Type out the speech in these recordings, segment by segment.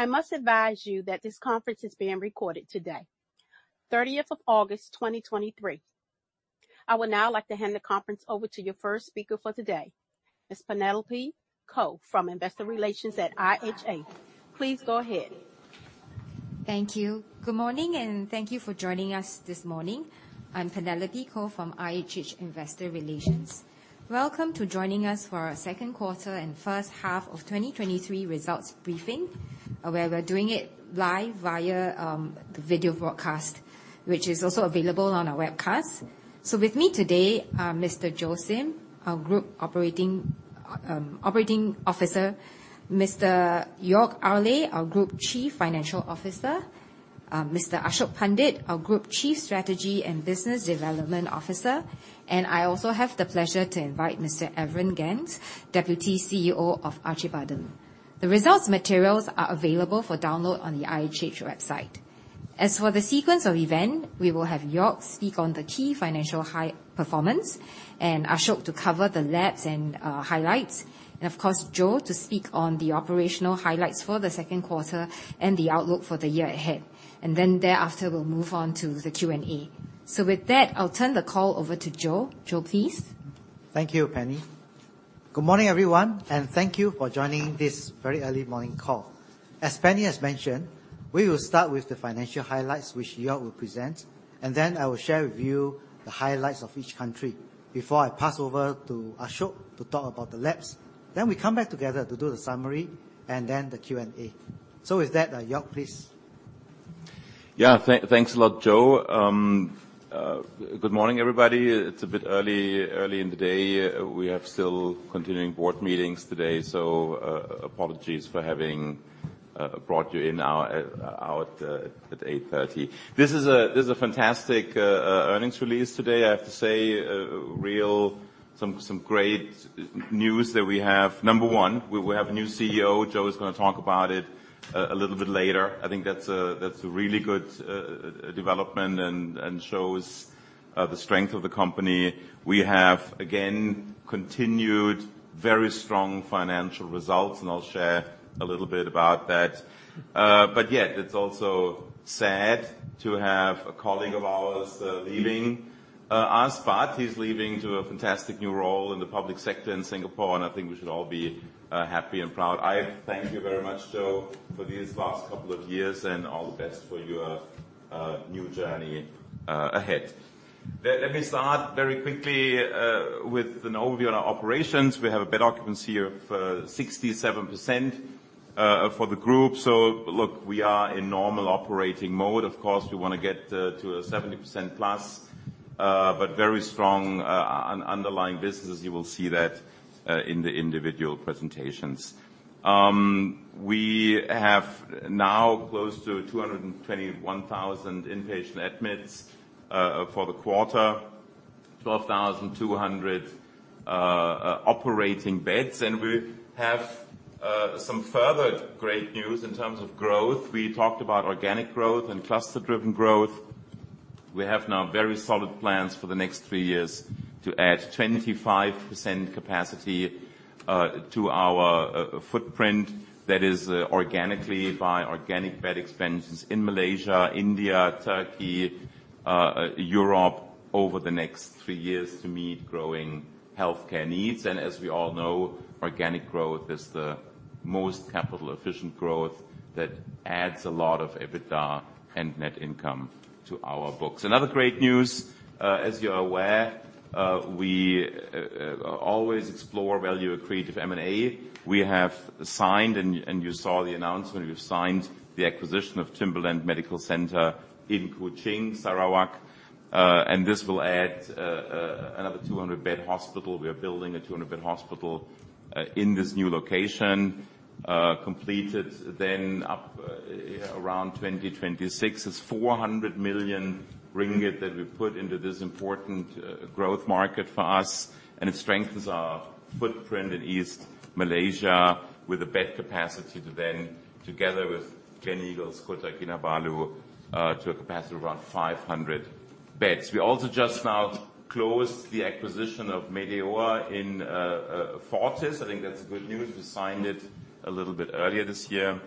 I must advise you that this conference is being recorded today, 30th of August, 2023. I would now like to hand the conference over to your first speaker for today, Ms. Penelope Koh, from Investor Relations at IHH. Please go ahead. Thank you. Good morning, and thank you for joining us this morning. I'm Penelope Koh from IHH Investor Relations. Welcome to joining us for our second quarter and first half of 2023 results briefing, where we're doing it live via the video broadcast, which is also available on our webcast. So with me today are Mr. Joe Sim, our Group Operating, Operating Officer; Mr. Joerg Ayrle, our Group Chief Financial Officer; Mr. Ashok Pandit, our Group Chief Strategy and Business Development Officer, and I also have the pleasure to invite Mr. Evren Gence, Deputy CEO of Acıbadem. The results materials are available for download on the IHH website. As for the sequence of events, we will have Joerg speak on the key financial high performance, and Ashok to cover the labs and highlights, and of course, Joe, to speak on the operational highlights for the second quarter and the outlook for the year ahead. Then thereafter, we'll move on to the Q&A. So with that, I'll turn the call over to Joe. Joe, please. Thank you, Penny. Good morning, everyone, and thank you for joining this very early morning call. As Penny has mentioned, we will start with the financial highlights, which Joerg will present, and then I will share with you the highlights of each country before I pass over to Ashok to talk about the labs. Then we come back together to do the summary and then the Q&A. So with that, Joerg, please. Yeah, thanks a lot, Joe. Good morning, everybody. It's a bit early in the day. We have still continuing board meetings today, so apologies for having brought you in now out at 8:30 A.M. This is a fantastic earnings release today. I have to say, some great news that we have. Number one, we have a new CEO. Joe is gonna talk about it a little bit later. I think that's a really good development and shows the strength of the company. We have, again, continued very strong financial results, and I'll share a little bit about that. But yet, it's also sad to have a colleague of ours leaving us, but he's leaving to a fantastic new role in the public sector in Singapore, and I think we should all be happy and proud. I thank you very much, Joe, for these last couple of years, and all the best for your new journey ahead. Let me start very quickly with an overview on our operations. We have a bed occupancy of 67% for the group. So look, we are in normal operating mode. Of course, we wanna get to a 70%+, but very strong underlying businesses. You will see that in the individual presentations. We have now close to 221,000 inpatient admits for the quarter, 12,200 operating beds, and we have some further great news in terms of growth. We talked about organic growth and cluster-driven growth. We have now very solid plans for the next three years to add 25% capacity to our footprint. That is organically by organic bed expansions in Malaysia, India, Turkey, Europe over the next three years to meet growing healthcare needs. And as we all know, organic growth is the most capital-efficient growth that adds a lot of EBITDA and net income to our books. Another great news, as you're aware, we always explore value accretive M&A. We have signed, and you saw the announcement, we've signed the acquisition of Timberland Medical Centre in Kuching, Sarawak, and this will add another 200-bed hospital. We are building a 200-bed hospital in this new location, completed then up around 2026. It's 400 million ringgit that we put into this important growth market for us, and it strengthens our footprint in East Malaysia with a bed capacity to then, together with Gleneagles Kota Kinabalu, to a capacity of around 500 beds. We also just now closed the acquisition of Medeor in Fortis. I think that's good news. We signed it a little bit earlier this year.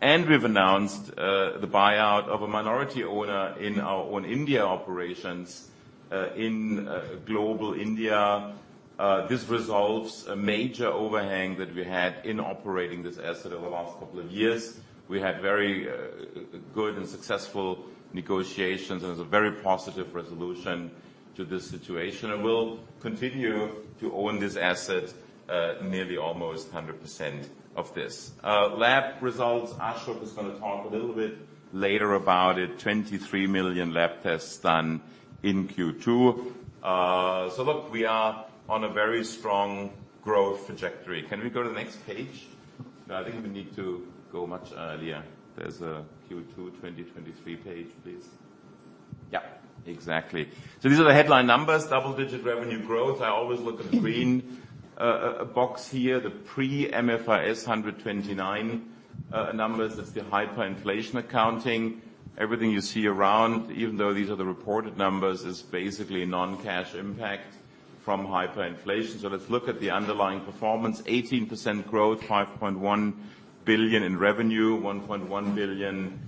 And we've announced the buyout of a minority owner in our own India operations in Global India. This resolves a major overhang that we had in operating this asset over the last couple of years. We had very good and successful negotiations, and it's a very positive resolution to this situation, and we'll continue to own this asset nearly almost 100% of this. Lab results, Ashok is gonna talk a little bit later about it. 23 million lab tests done in Q2. So look, we are on a very strong growth trajectory. Can we go to the next page? I think we need to go much earlier. There's a Q2 2023 page, please. Yeah, exactly. So these are the headline numbers, double-digit revenue growth. I always look at the green box here, the pre-MFRS 129 numbers. That's the hyperinflation accounting. Everything you see around, even though these are the reported numbers, is basically non-cash impact from hyperinflation. So let's look at the underlying performance. 18% growth, 5.1 billion in revenue, 1.1 billion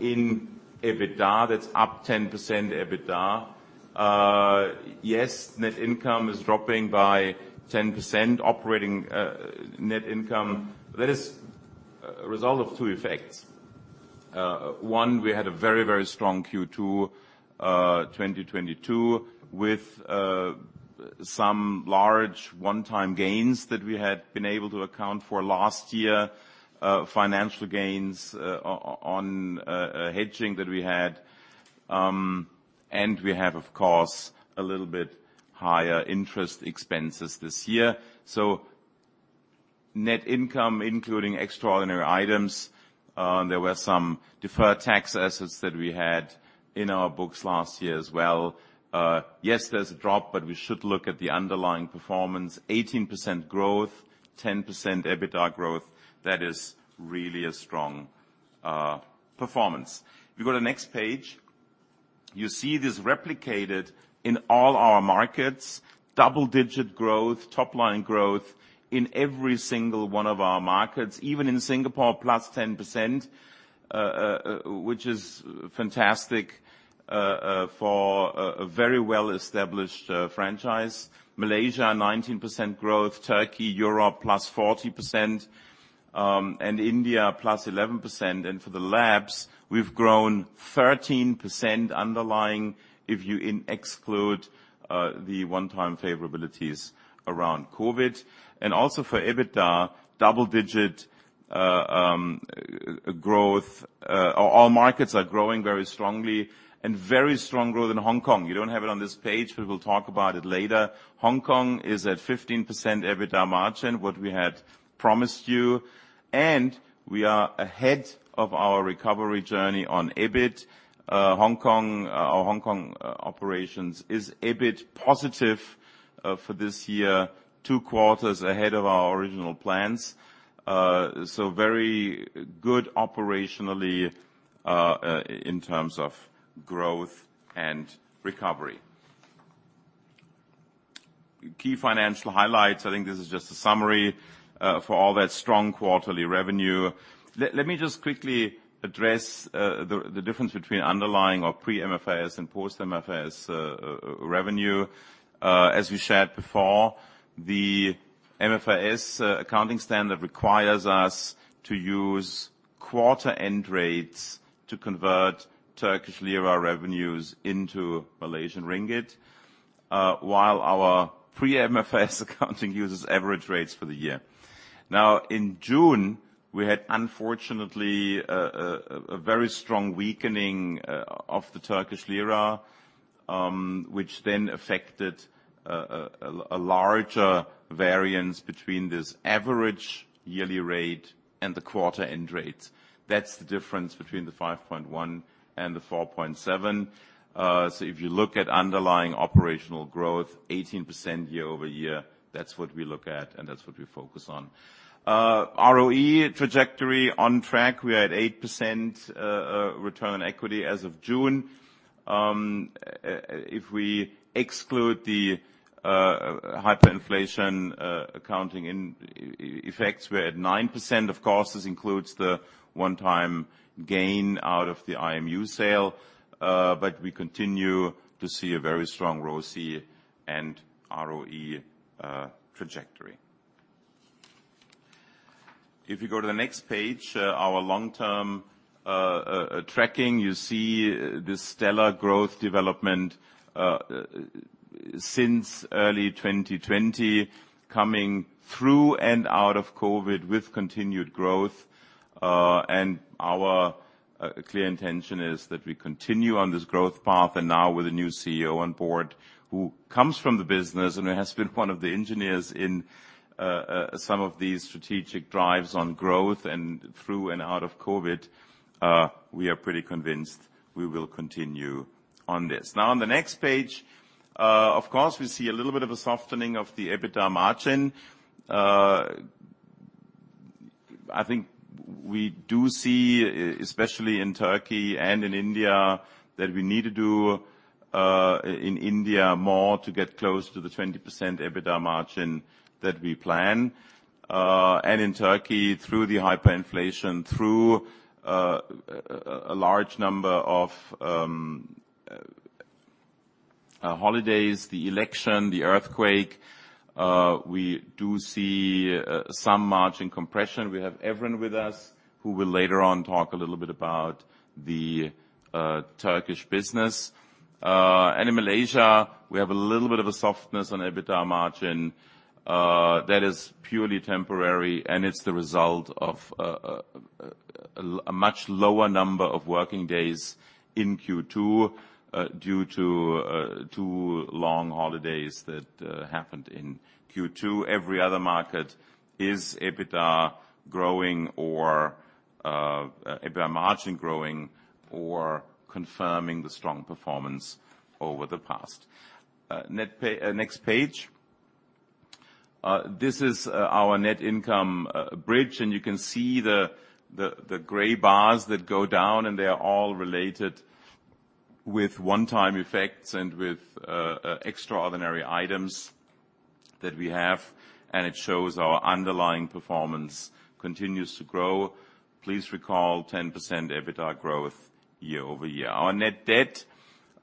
in EBITDA. That's up 10% EBITDA. Yes, net income is dropping by 10%. Operating net income, that is a result of two FX. One, we had a very, very strong Q2 2022, with some large one-time gains that we had been able to account for last year, financial gains on a hedging that we had. And we have, of course, a little bit higher interest expenses this year. So net income, including extraordinary items, there were some deferred tax assets that we had in our books last year as well. Yes, there's a drop, but we should look at the underlying performance. 18% growth, 10% EBITDA growth, that is really a strong performance. If you go to the next page, you see this replicated in all our markets. Double-digit growth, top line growth in every single one of our markets, even in Singapore, +10%, which is fantastic, for a very well-established franchise. Malaysia, 19% growth, Turkey, Europe, +40%, and India, +11%. And for the labs, we've grown 13% underlying if you exclude the one-time favorabilities around COVID. And also for EBITDA, double-digit growth. Our markets are growing very strongly, and very strong growth in Hong Kong. You don't have it on this page, but we'll talk about it later. Hong Kong is at 15% EBITDA margin, what we had promised you, and we are ahead of our recovery journey on EBIT. Hong Kong, our Hong Kong operations is EBIT positive, for this year, two quarters ahead of our original plans. So very good operationally, in terms of growth and recovery. Key financial highlights, I think this is just a summary, for all that strong quarterly revenue. Let me just quickly address, the difference between underlying or pre-MFRS and post-MFRS, revenue. As we shared before, the MFRS accounting standard requires us to use quarter-end rates to convert Turkish lira revenues into Malaysian ringgit, while our pre-MFRS accounting uses average rates for the year. Now, in June, we had, unfortunately, a very strong weakening of the Turkish lira, which then affected a larger variance between this average yearly rate and the quarter end rates. That's the difference between the 5.1 and the 4.7. So if you look at underlying operational growth, 18% year-over-year, that's what we look at, and that's what we focus on. ROE trajectory on track, we're at 8%, return on equity as of June. If we exclude the hyperinflation accounting FX, we're at 9%. Of course, this includes the one-time gain out of the IMU sale, but we continue to see a very strong ROCE and ROE trajectory. If you go to the next page, our long-term tracking, you see the stellar growth development since early 2020, coming through and out of COVID with continued growth. And our clear intention is that we continue on this growth path, and now with a new CEO on board who comes from the business and has been one of the engineers in some of these strategic drives on growth and through and out of COVID, we are pretty convinced we will continue on this. Now, on the next page, of course, we see a little bit of a softening of the EBITDA margin. I think we do see, especially in Turkey and in India, that we need to do, in India, more to get close to the 20% EBITDA margin that we plan. And in Turkey, through the hyperinflation, through a large number of holidays, the election, the earthquake, we do see some margin compression. We have Evren with us, who will later on talk a little bit about the Turkish business. And in Malaysia, we have a little bit of a softness on EBITDA margin. That is purely temporary, and it's the result of a much lower number of working days in Q2, due to two long holidays that happened in Q2. Every other market is EBITDA growing or EBITDA margin growing or confirming the strong performance over the past. Next page? This is our net income bridge, and you can see the gray bars that go down, and they are all related with one-time FX and with extraordinary items that we have, and it shows our underlying performance continues to grow. Please recall 10% EBITDA growth year-over-year. Our net debt,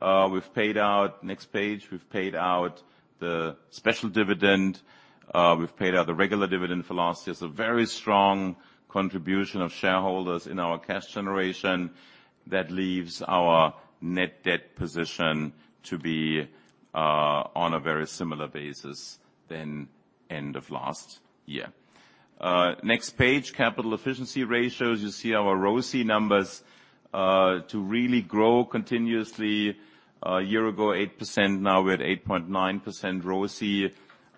we've paid out... Next page, we've paid out the special dividend. We've paid out the regular dividend for last year, so very strong contribution of shareholders in our cash generation. That leaves our net debt position to be on a very similar basis than end of last year. Next page, capital efficiency ratios. You see our ROCE numbers to really grow continuously. A year ago, 8%, now we're at 8.9% ROCE.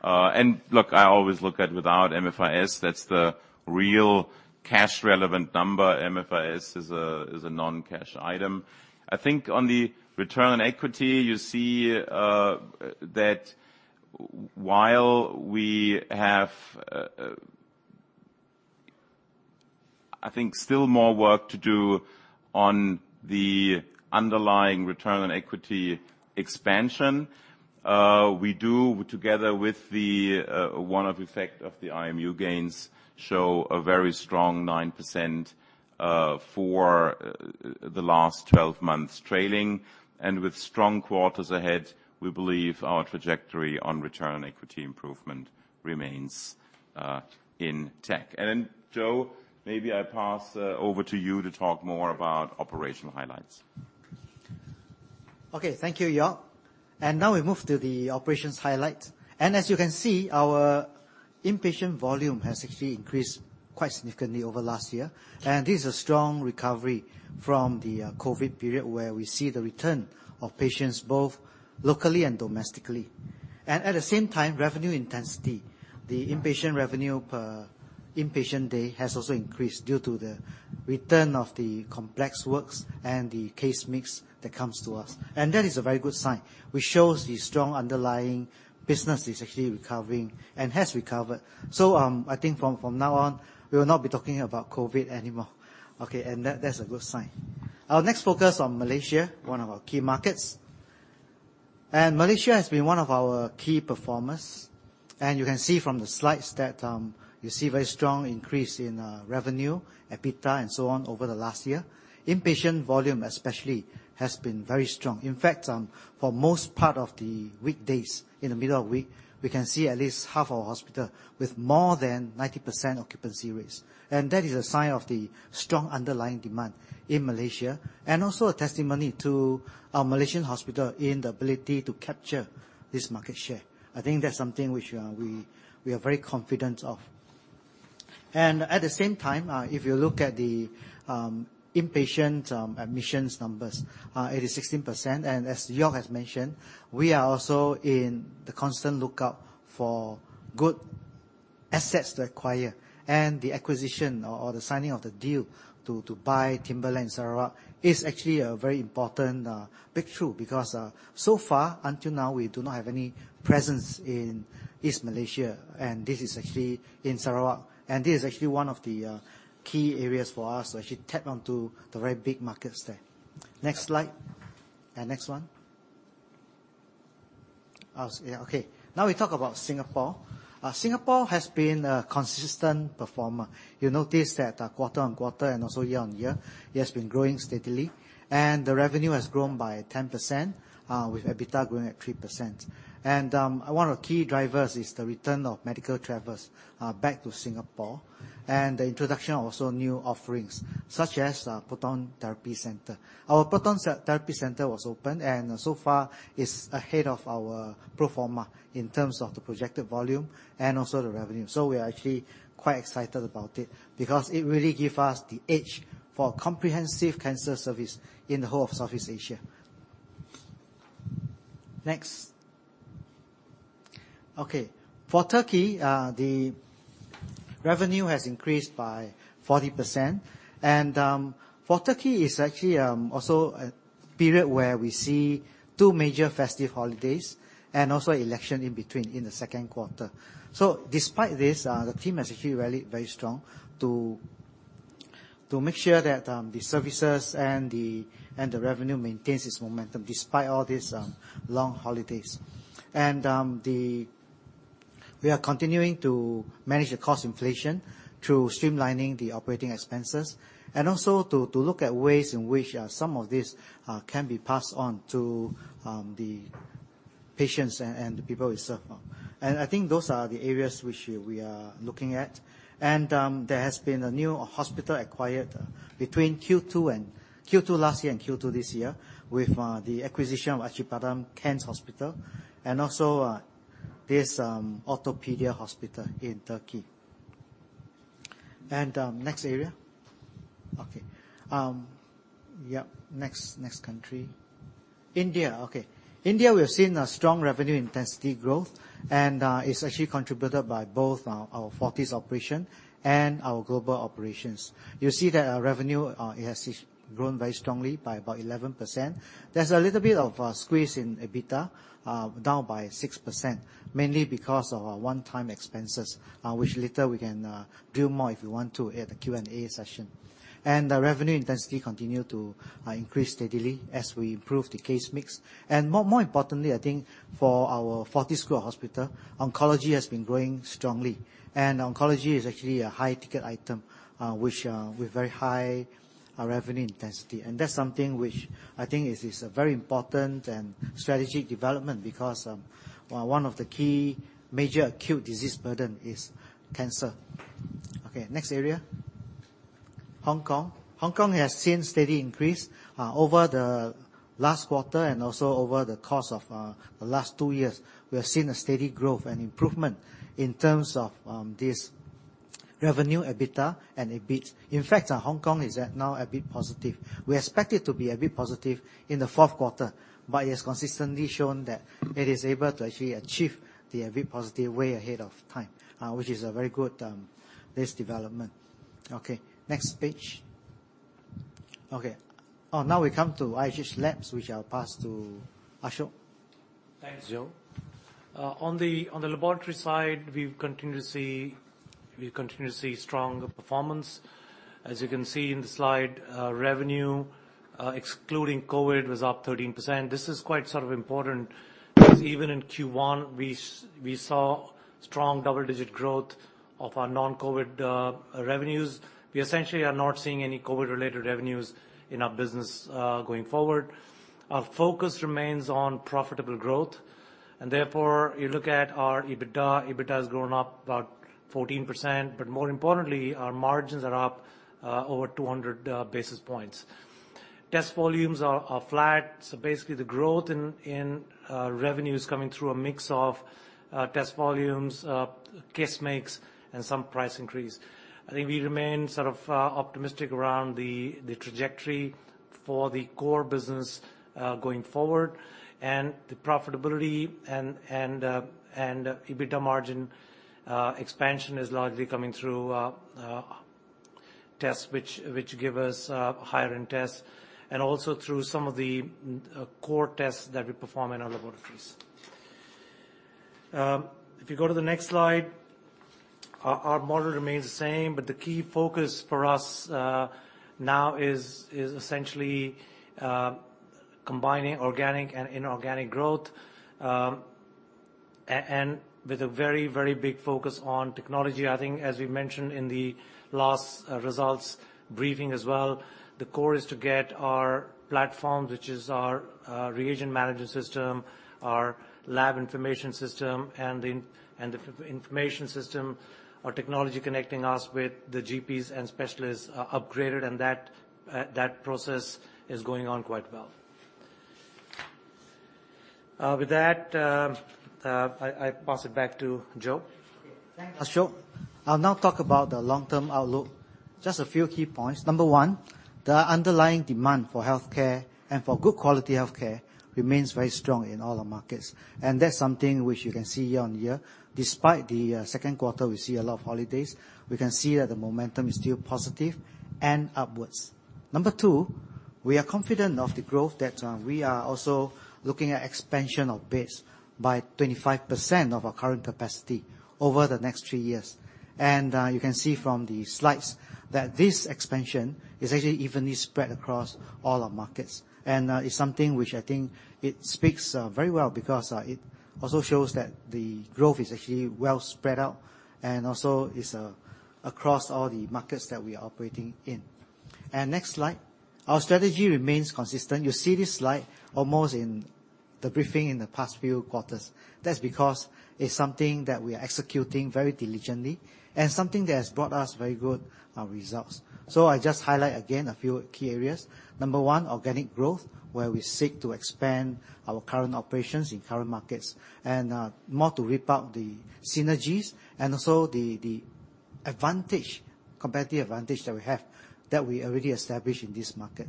And look, I always look at without MFRS, that's the real cash-relevant number. MFRS is a, is a non-cash item. I think on the return on equity, you see, that while we have, I think still more work to do on the underlying return on equity expansion, we do, together with the, one-off effect of the IMU gains, show a very strong 9%, for the last 12 months trailing. And with strong quarters ahead, we believe our trajectory on return on equity improvement remains, in check. And then, Joe, maybe I pass, over to you to talk more about operational highlights. Okay, thank you, Joerg. Now we move to the operations highlights. As you can see, our inpatient volume has actually increased quite significantly over last year, and this is a strong recovery from the COVID period, where we see the return of patients both locally and domestically. At the same time, revenue intensity, the inpatient revenue per inpatient day, has also increased due to the return of the complex works and the case mix that comes to us. That is a very good sign, which shows the strong underlying business is actually recovering and has recovered. So, I think from now on, we will not be talking about COVID anymore. Okay, that, that's a good sign. Our next focus on Malaysia, one of our key markets. Malaysia has been one of our key performers, and you can see from the slides that, you see very strong increase in, revenue, EBITDA, and so on, over the last year. Inpatient volume especially has been very strong. In fact, for most part of the weekdays, in the middle of week, we can see at least half our hospital with more than 90% occupancy rates, and that is a sign of the strong underlying demand in Malaysia, and also a testimony to our Malaysian hospital in the ability to capture this market share. I think that's something which, we, we are very confident of. And at the same time, if you look at the, inpatient, admissions numbers, it is 16%. As Joerg has mentioned, we are also in the constant lookout for good assets to acquire, and the acquisition or, or the signing of the deal to, to buy Timberland Sarawak is actually a very important breakthrough. Because, so far, until now, we do not have any presence in East Malaysia, and this is actually in Sarawak, and this is actually one of the key areas for us to actually tap onto the very big markets there. Next slide. Next one. Yeah, okay. Now we talk about Singapore. Singapore has been a consistent performer. You'll notice that, quarter-on-quarter and also year-on-year, it has been growing steadily, and the revenue has grown by 10%, with EBITDA growing at 3%. One of the key drivers is the return of medical travelers back to Singapore, and the introduction of also new offerings, such as proton therapy center. Our proton therapy center was opened, and so far, it's ahead of our pro forma in terms of the projected volume and also the revenue. So we are actually quite excited about it, because it really give us the edge for comprehensive cancer service in the whole of Southeast Asia. Next. Okay, for Turkey, the revenue has increased by 40%. For Turkey, it's actually also a period where we see two major festive holidays and also election in between, in the second quarter. So despite this, the team has actually rallied very strong to make sure that the services and the revenue maintains its momentum, despite all these long holidays. We are continuing to manage the cost inflation through streamlining the operating expenses, and also to look at ways in which some of this can be passed on to the patients and the people we serve. I think those are the areas which we are looking at. There has been a new hospital acquired between Q2 last year and Q2 this year, with the acquisition of Acıbadem Kent Hospital, and also this Ortopedia Hospital in Turkey. Next area. Okay. Yep, next country. India, okay. India, we have seen a strong revenue intensity growth, and, it's actually contributed by both, our Fortis operation and our global operations. You'll see that our revenue, it has grown very strongly by about 11%. There's a little bit of, squeeze in EBITDA, down by 6%, mainly because of our one-time expenses, which later we can, drill more if you want to at the Q&A session. And the revenue intensity continue to, increase steadily as we improve the case mix. And more, more importantly, I think for our Fortis Group Hospital, oncology has been growing strongly. And oncology is actually a high-ticket item, which, with very high, revenue intensity. And that's something which I think is, is a very important and strategic development because, well, one of the key major acute disease burden is cancer. Okay, next area. Hong Kong. Hong Kong has seen steady increase over the last quarter and also over the course of the last two years. We have seen a steady growth and improvement in terms of this revenue, EBITDA and EBIT. In fact, our Hong Kong is at now EBIT positive. We expect it to be EBIT positive in the fourth quarter, but it has consistently shown that it is able to actually achieve the EBIT positive way ahead of time, which is a very good this development. Okay, next page. Okay. Now we come to IHH Labs, which I'll pass to Ashok. Thanks, Joe. On the laboratory side, we've continued to see, we continue to see strong performance. As you can see in the slide, revenue excluding COVID was up 13%. This is quite sort of important, because even in Q1, we saw strong double-digit growth of our non-COVID revenues. We essentially are not seeing any COVID-related revenues in our business going forward. Our focus remains on profitable growth, and therefore, you look at our EBITDA. EBITDA has grown about 14%, but more importantly, our margins are up over 200 basis points. Test volumes are flat, so basically, the growth in revenue is coming through a mix of test volumes, case mix, and some price increase. I think we remain sort of optimistic around the trajectory for the core business going forward, and the profitability and EBITDA margin expansion is largely coming through tests which give us higher-end tests and also through some of the core tests that we perform in our laboratories. If you go to the next slide, our model remains the same, but the key focus for us now is essentially combining organic and inorganic growth and with a very big focus on technology. I think, as we mentioned in the last results briefing as well, the core is to get our platform, which is our reagent management system, our lab information system, and the information system, our technology connecting us with the GPs and specialists, upgraded, and that process is going on quite well. With that, I pass it back to Joe. Okay. Thank you, Ashok. I'll now talk about the long-term outlook. Just a few key points. Number one, the underlying demand for healthcare and for good quality healthcare remains very strong in all our markets, and that's something which you can see year on year. Despite the second quarter, we see a lot of holidays, we can see that the momentum is still positive and upwards. Number two, we are confident of the growth that we are also looking at expansion of beds by 25% of our current capacity over the next three years. You can see from the slides that this expansion is actually evenly spread across all our markets. And, it's something which I think it speaks, very well because, it also shows that the growth is actually well spread out and also is, across all the markets that we are operating in. And next slide. Our strategy remains consistent. You see this slide almost in the briefing in the past few quarters. That's because it's something that we are executing very diligently and something that has brought us very good, results. So I just highlight again a few key areas. Number one, organic growth, where we seek to expand our current operations in current markets, and, more to reap out the synergies and also the, the advantage, competitive advantage that we have, that we already established in this market.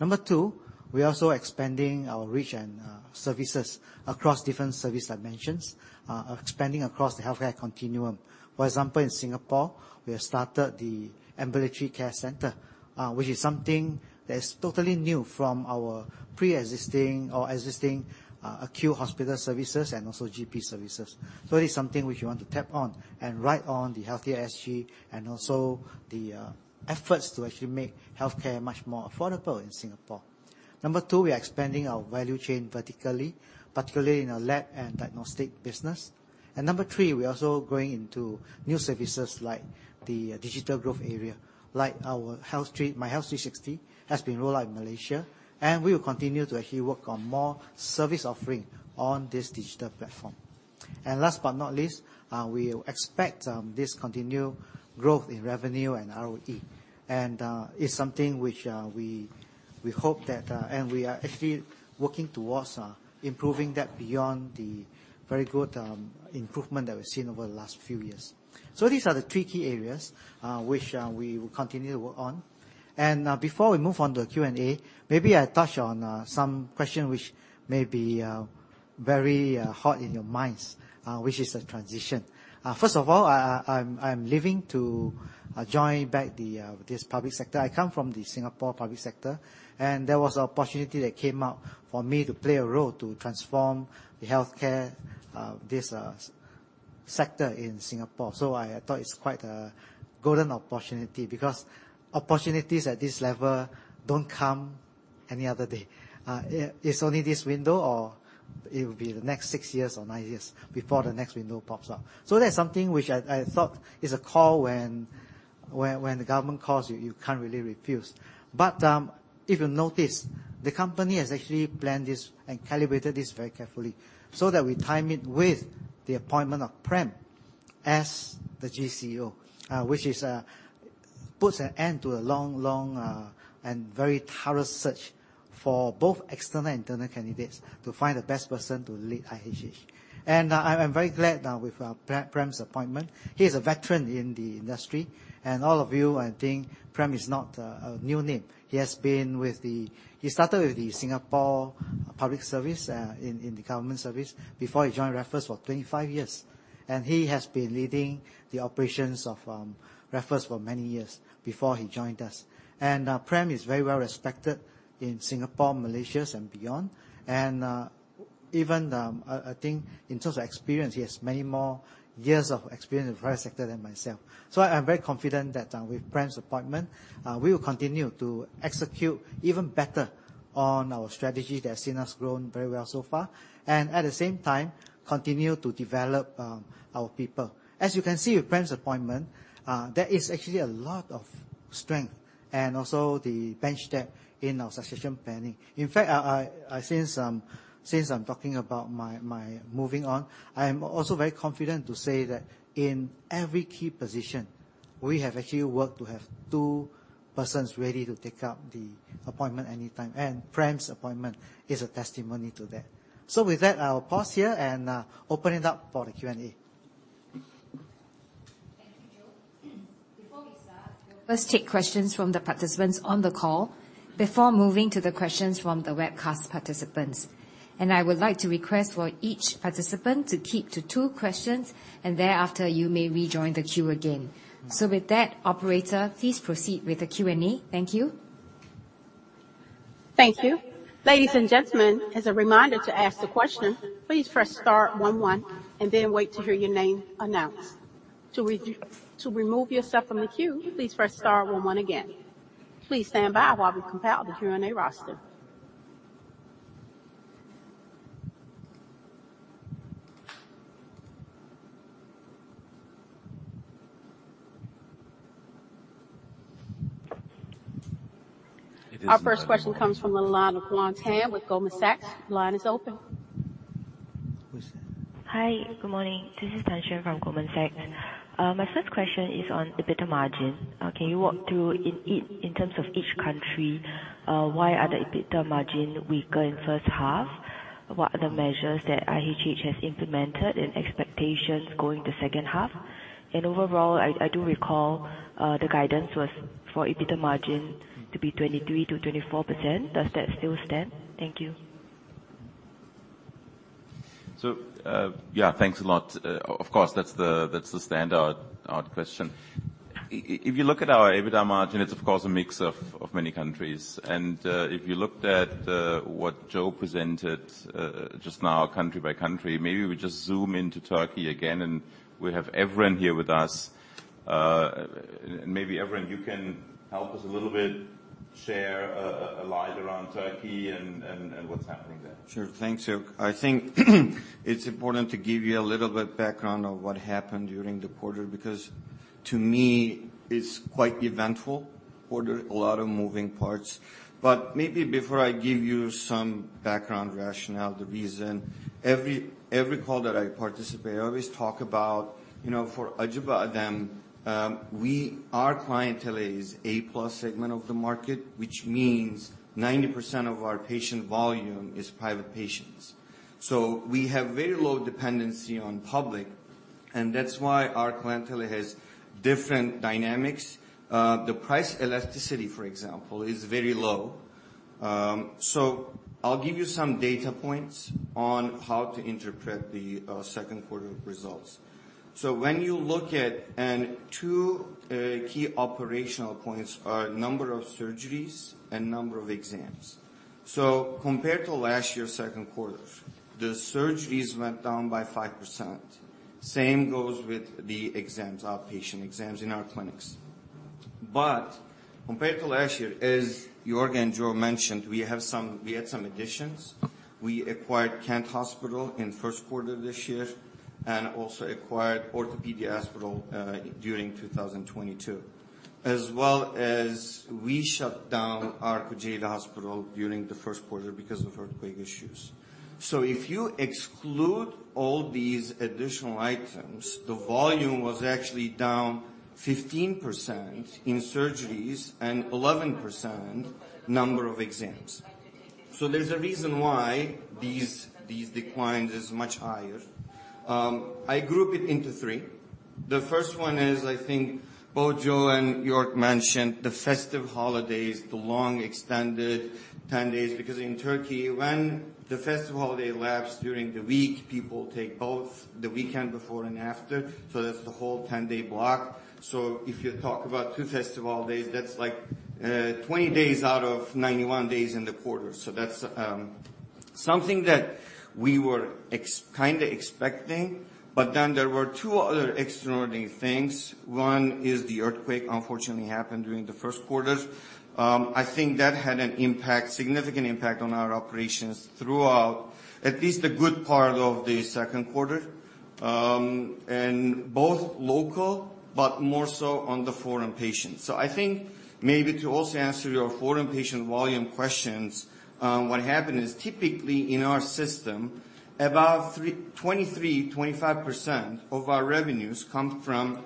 Number two, we are also expanding our reach and, services across different service dimensions, expanding across the healthcare continuum. For example, in Singapore, we have started the ambulatory care center, which is something that is totally new from our pre-existing or existing, acute hospital services and also GP services. So it is something which we want to tap on and ride on the Healthy SG and also the efforts to actually make healthcare much more affordable in Singapore. Number two, we are expanding our value chain vertically, particularly in our lab and diagnostic business. And number three, we are also going into new services like the digital growth area, like our health street, MyHealth360, has been rolled out in Malaysia, and we will continue to actually work on more service offering on this digital platform. And last but not least, we expect this continued growth in revenue and ROE, and it's something which we hope that... We are actually working towards improving that beyond the very good improvement that we've seen over the last few years. So these are the three key areas which we will continue to work on. Before we move on to the Q&A, maybe I touch on some question which may be very hot in your minds, which is a transition. First of all, I'm leaving to join back the public sector. I come from the Singapore public sector, and there was an opportunity that came up for me to play a role to transform the healthcare sector in Singapore. So I thought it's quite a golden opportunity because opportunities at this level don't come any other day. It's only this window, or it will be the next six years or nine years before the next window pops up. So that's something which I thought is a call when the government calls you, you can't really refuse. But if you notice, the company has actually planned this and calibrated this very carefully so that we time it with the appointment of Prem as the GCO, which puts an end to a long, long, and very thorough search for both external and internal candidates to find the best person to lead IHH. And I'm very glad now with Prem's appointment. He is a veteran in the industry, and all of you, I think Prem is not a new name. He has been with the... He started with the Singapore Public Service, in the government service before he joined Raffles for 25 years, and he has been leading the operations of Raffles for many years before he joined us. Prem is very well respected in Singapore, Malaysia and beyond. Even, I think in terms of experience, he has many more years of experience in the private sector than myself. I'm very confident that, with Prem's appointment, we will continue to execute even better on our strategy that has seen us grown very well so far, and at the same time continue to develop our people. As you can see with Prem's appointment, there is actually a lot of strength and also the bench depth in our succession planning. In fact, since I'm talking about my moving on, I am also very confident to say that in every key position, we have actually worked to have two persons ready to take up the appointment anytime, and Prem's appointment is a testimony to that. So with that, I'll pause here and open it up for the Q&A. Thank you, Joe. Before we start, we'll first take questions from the participants on the call before moving to the questions from the webcast participants. I would like to request for each participant to keep to two questions, and thereafter, you may rejoin the queue again. With that, operator, please proceed with the Q&A. Thank you. Thank you. Ladies and gentlemen, as a reminder to ask the question, please press star one one and then wait to hear your name announced. To remove yourself from the queue, please press star one one again. Please stand by while we compile the Q&A roster. Our first question comes from the line of Xuan Tan with Goldman Sachs. The line is open. Who's that? Hi, good morning. This is Tan Xuan from Goldman Sachs. My first question is on EBITDA margin. Can you walk through in terms of each country why are the EBITDA margin weaker in first half? What are the measures that IHH has implemented and expectations going to second half? And overall, I do recall the guidance was for EBITDA margin to be 23%-24%. Does that still stand? Thank you. So, yeah, thanks a lot. Of course, that's the standout, odd question. If you look at our EBITDA margin, it's of course a mix of many countries. And if you looked at what Joe presented just now, country by country, maybe we just zoom into Turkey again, and we have Evren here with us. Maybe, Evren, you can help us a little bit, share a light around Turkey and what's happening there. Sure. Thanks, Joerg. I think it's important to give you a little bit background of what happened during the quarter, because to me, it's quite eventful quarter, a lot of moving parts. But maybe before I give you some background rationale, the reason, every call that I participate, I always talk about, you know, for Acıbadem, we—our clientele is A+ segment of the market, which means 90% of our patient volume is private patients. So we have very low dependency on public, and that's why our clientele has different dynamics. The price elasticity, for example, is very low. So I'll give you some data points on how to interpret the second quarter results. So when you look at, and two key operational points are number of surgeries and number of exams. So compared to last year, second quarter, the surgeries went down by 5%. Same goes with the exams, outpatient exams in our clinics. But compared to last year, as Joerg and Joe mentioned, we have some- we had some additions. We acquired Kent Hospital in first quarter of this year, and also acquired Ortopedia Hospital during 2022. As well as we shut down our Kozyatağı Hospital during the first quarter because of earthquake issues. So if you exclude all these additional items, the volume was actually down 15% in surgeries and 11% number of exams. So there's a reason why these, these declines is much higher. I group it into three. The first one is, I think both Joe and Joerg mentioned, the festive holidays, the long extended 10 days. Because in Turkey, when the festive holiday elapsed during the week, people take both the weekend before and after, so that's the whole 10-day block. So if you talk about two festive holidays, that's like 20 days out of 91 days in the quarter. So that's something that we were kind of expecting. But then there were two other extraordinary things. One is the earthquake, unfortunately, happened during the first quarter. I think that had an impact, significant impact on our operations throughout at least the good part of the second quarter, and both local, but more so on the foreign patients. So I think maybe to also answer your foreign patient volume questions, what happened is, typically in our system, about 23-25% of our revenues come from,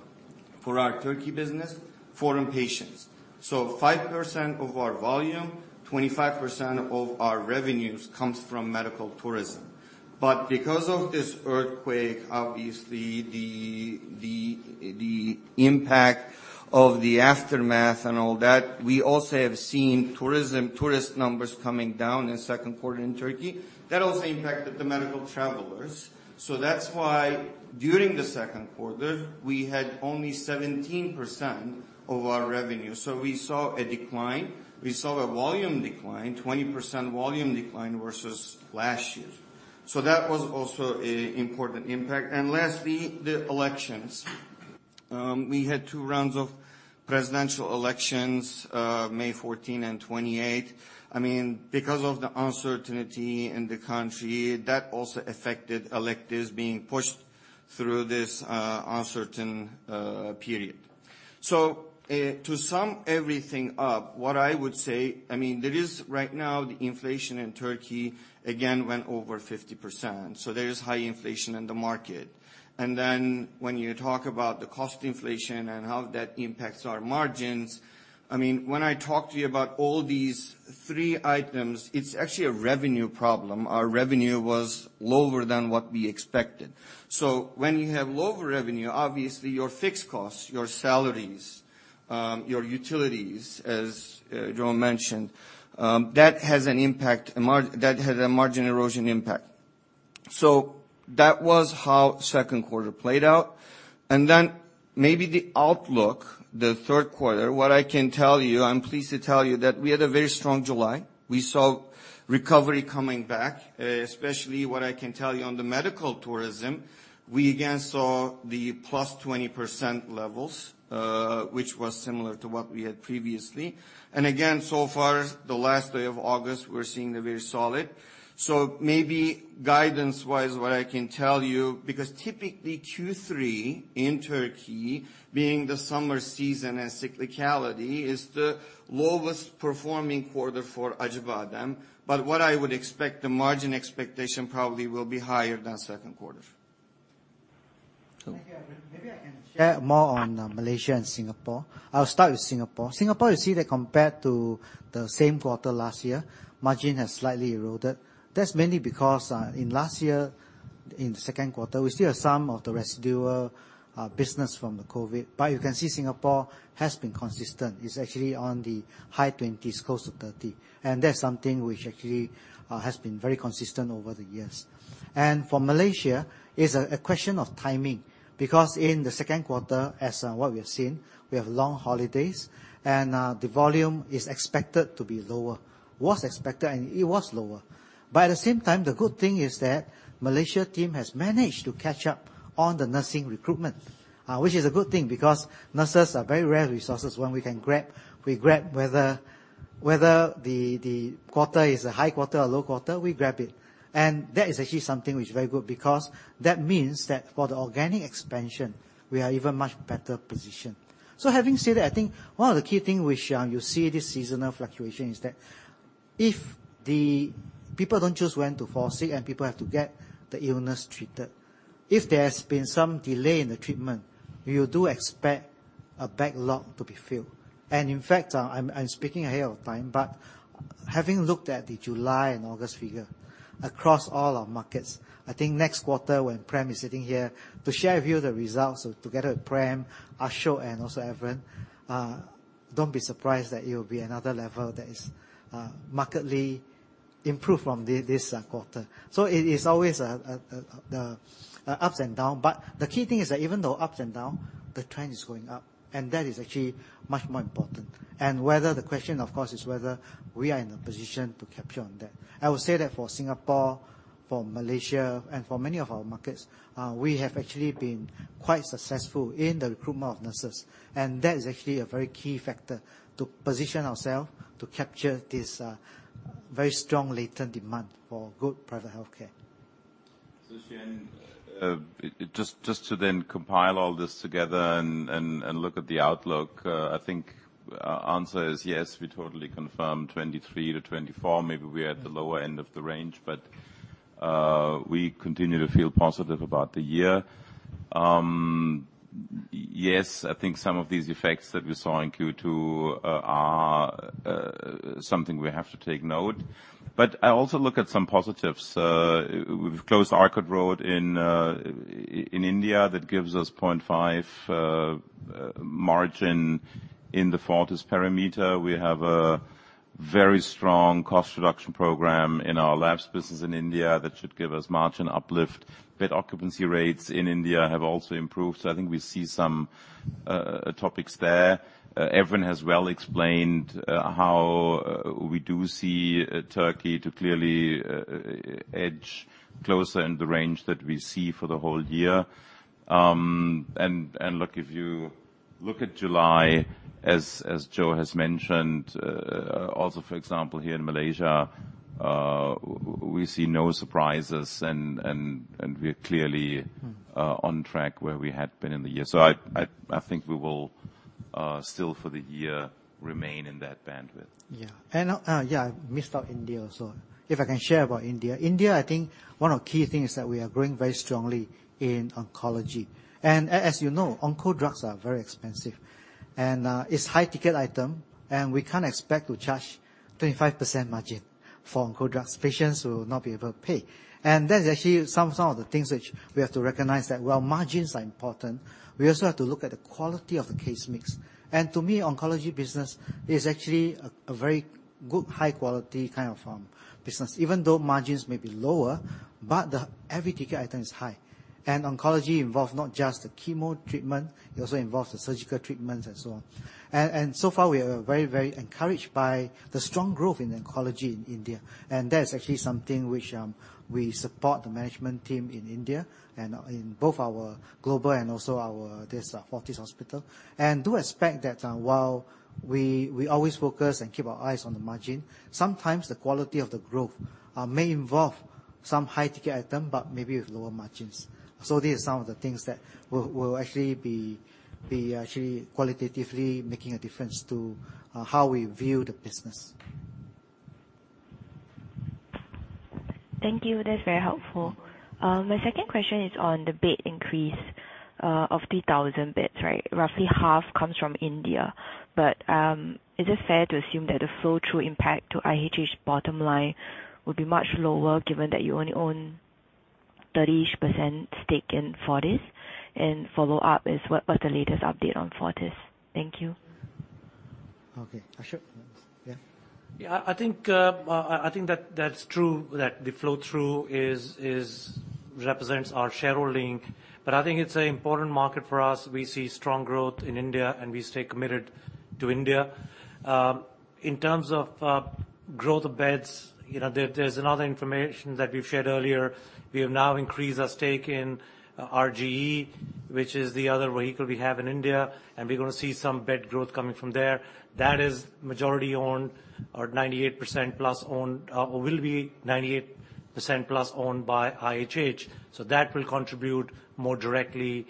for our Turkey business, foreign patients. So 5% of our volume, 25% of our revenues comes from medical tourism. But because of this earthquake, obviously the impact of the aftermath and all that, we also have seen tourism, tourist numbers coming down in second quarter in Turkey. That also impacted the medical travelers. So that's why during the second quarter, we had only 17% of our revenue. So we saw a decline. We saw a volume decline, 20% volume decline versus last year. So that was also an important impact. And lastly, the elections. We had two rounds of presidential elections, May 14 and 28. I mean, because of the uncertainty in the country, that also affected electives being pushed through this uncertain period. So to sum everything up, what I would say... I mean, there is right now, the inflation in Turkey again went over 50%, so there is high inflation in the market. And then when you talk about the cost inflation and how that impacts our margins, I mean, when I talk to you about all these three items, it's actually a revenue problem. Our revenue was lower than what we expected. So when you have lower revenue, obviously your fixed costs, your salaries, your utilities, as Joe mentioned, that has an impact, that has a margin erosion impact. So that was how second quarter played out. And then maybe the outlook, the third quarter. What I can tell you, I'm pleased to tell you that we had a very strong July. We saw recovery coming back. Especially what I can tell you on the medical tourism, we again saw the +20% levels, which was similar to what we had previously. And again, so far, the last day of August, we're seeing the very solid. So maybe guidance-wise, what I can tell you, because typically Q3 in Turkey, being the summer season and cyclicality, is the lowest performing quarter for Acıbadem. But what I would expect, the margin expectation probably will be higher than second quarter. Thank you. Maybe I can share more on Malaysia and Singapore. I'll start with Singapore. Singapore, you see that compared to the same quarter last year, margin has slightly eroded. That's mainly because in last year, in the second quarter, we still have some of the residual business from the COVID. But you can see Singapore has been consistent. It's actually on the high 20s, close to 30, and that's something which actually has been very consistent over the years. And for Malaysia, it's a question of timing, because in the second quarter, as what we have seen, we have long holidays, and the volume is expected to be lower. Was expected, and it was lower. But at the same time, the good thing is that the Malaysia team has managed to catch up on the nursing recruitment, which is a good thing, because nurses are very rare resources. When we can grab, we grab. Whether the quarter is a high quarter or low quarter, we grab it. And that is actually something which is very good, because that means that for the organic expansion, we are even much better positioned. So having said that, I think one of the key things which you see this seasonal fluctuation is that if the people don't choose when to fall sick, and people have to get the illness treated. If there has been some delay in the treatment, we would expect a backlog to be filled. In fact, I'm speaking ahead of time, but having looked at the July and August figure across all our markets, I think next quarter, when Prem is sitting here to share with you the results, so together with Prem, Ashok, and also Evren, don't be surprised that it will be another level that is markedly improved from this quarter. So it is always the ups and down, but the key thing is that even though up and down, the trend is going up, and that is actually much more important. Whether the question, of course, is whether we are in a position to capture on that. I would say that for Singapore, for Malaysia, and for many of our markets, we have actually been quite successful in the recruitment of nurses, and that is actually a very key factor to position ourself to capture this, very strong latent demand for good private healthcare. So, Xuan, just to compile all this together and look at the outlook, I think our answer is yes, we totally confirm 2023 to 2024. Maybe we're at the lower end of the range, but we continue to feel positive about the year. Yes, I think some of these FX that we saw in Q2 are something we have to take note. But I also look at some positives. We've closed Arcot Road in India. That gives us 0.5 margin. In the Fortis parameter, we have a very strong cost reduction program in our labs business in India that should give us margin uplift. Bed occupancy rates in India have also improved, so I think we see some topics there. Evren has well explained how we do see Turkey to clearly edge closer in the range that we see for the whole year. And look, if you look at July, as Joe has mentioned, also, for example, here in Malaysia, we see no surprises and we're clearly on track where we had been in the year. So I think we will still, for the year, remain in that bandwidth. Yeah. And yeah, I missed out India also. If I can share about India. India, I think one of the key things is that we are growing very strongly in oncology. And as you know, onco drugs are very expensive, and it's high ticket item, and we can't expect to charge 25% margin for onco drugs. Patients will not be able to pay. And that is actually some of the things which we have to recognize, that while margins are important, we also have to look at the quality of the case mix. And to me, oncology business is actually a very good, high quality kind of business. Even though margins may be lower, but the every ticket item is high. And oncology involves not just the chemo treatment, it also involves the surgical treatments and so on. So far, we are very, very encouraged by the strong growth in oncology in India, and that is actually something which we support the management team in India and in both our global and also our this Fortis hospital. And do expect that while we always focus and keep our eyes on the margin, sometimes the quality of the growth may involve some high-ticket item, but maybe with lower margins. So these are some of the things that will actually be actually qualitatively making a difference to how we view the business. Thank you. That's very helpful. My second question is on the bed increase of the 1,000 beds, right? Roughly half comes from India. But, is it fair to assume that the flow-through impact to IHH's bottom line will be much lower, given that you only own 30-ish% stake in Fortis? And follow up is, what, what's the latest update on Fortis? Thank you. Okay, Ashok? Yeah. Yeah, I think that that's true, that the flow-through is represents our shareholding, but I think it's an important market for us. We see strong growth in India, and we stay committed to India. In terms of growth of beds, you know, there's another information that we've shared earlier. We have now increased our stake in RGE, which is the other vehicle we have in India, and we're going to see some bed growth coming from there. That is majority owned, or 98%+ owned, or will be 98%+ owned by IHH. So that will contribute more directly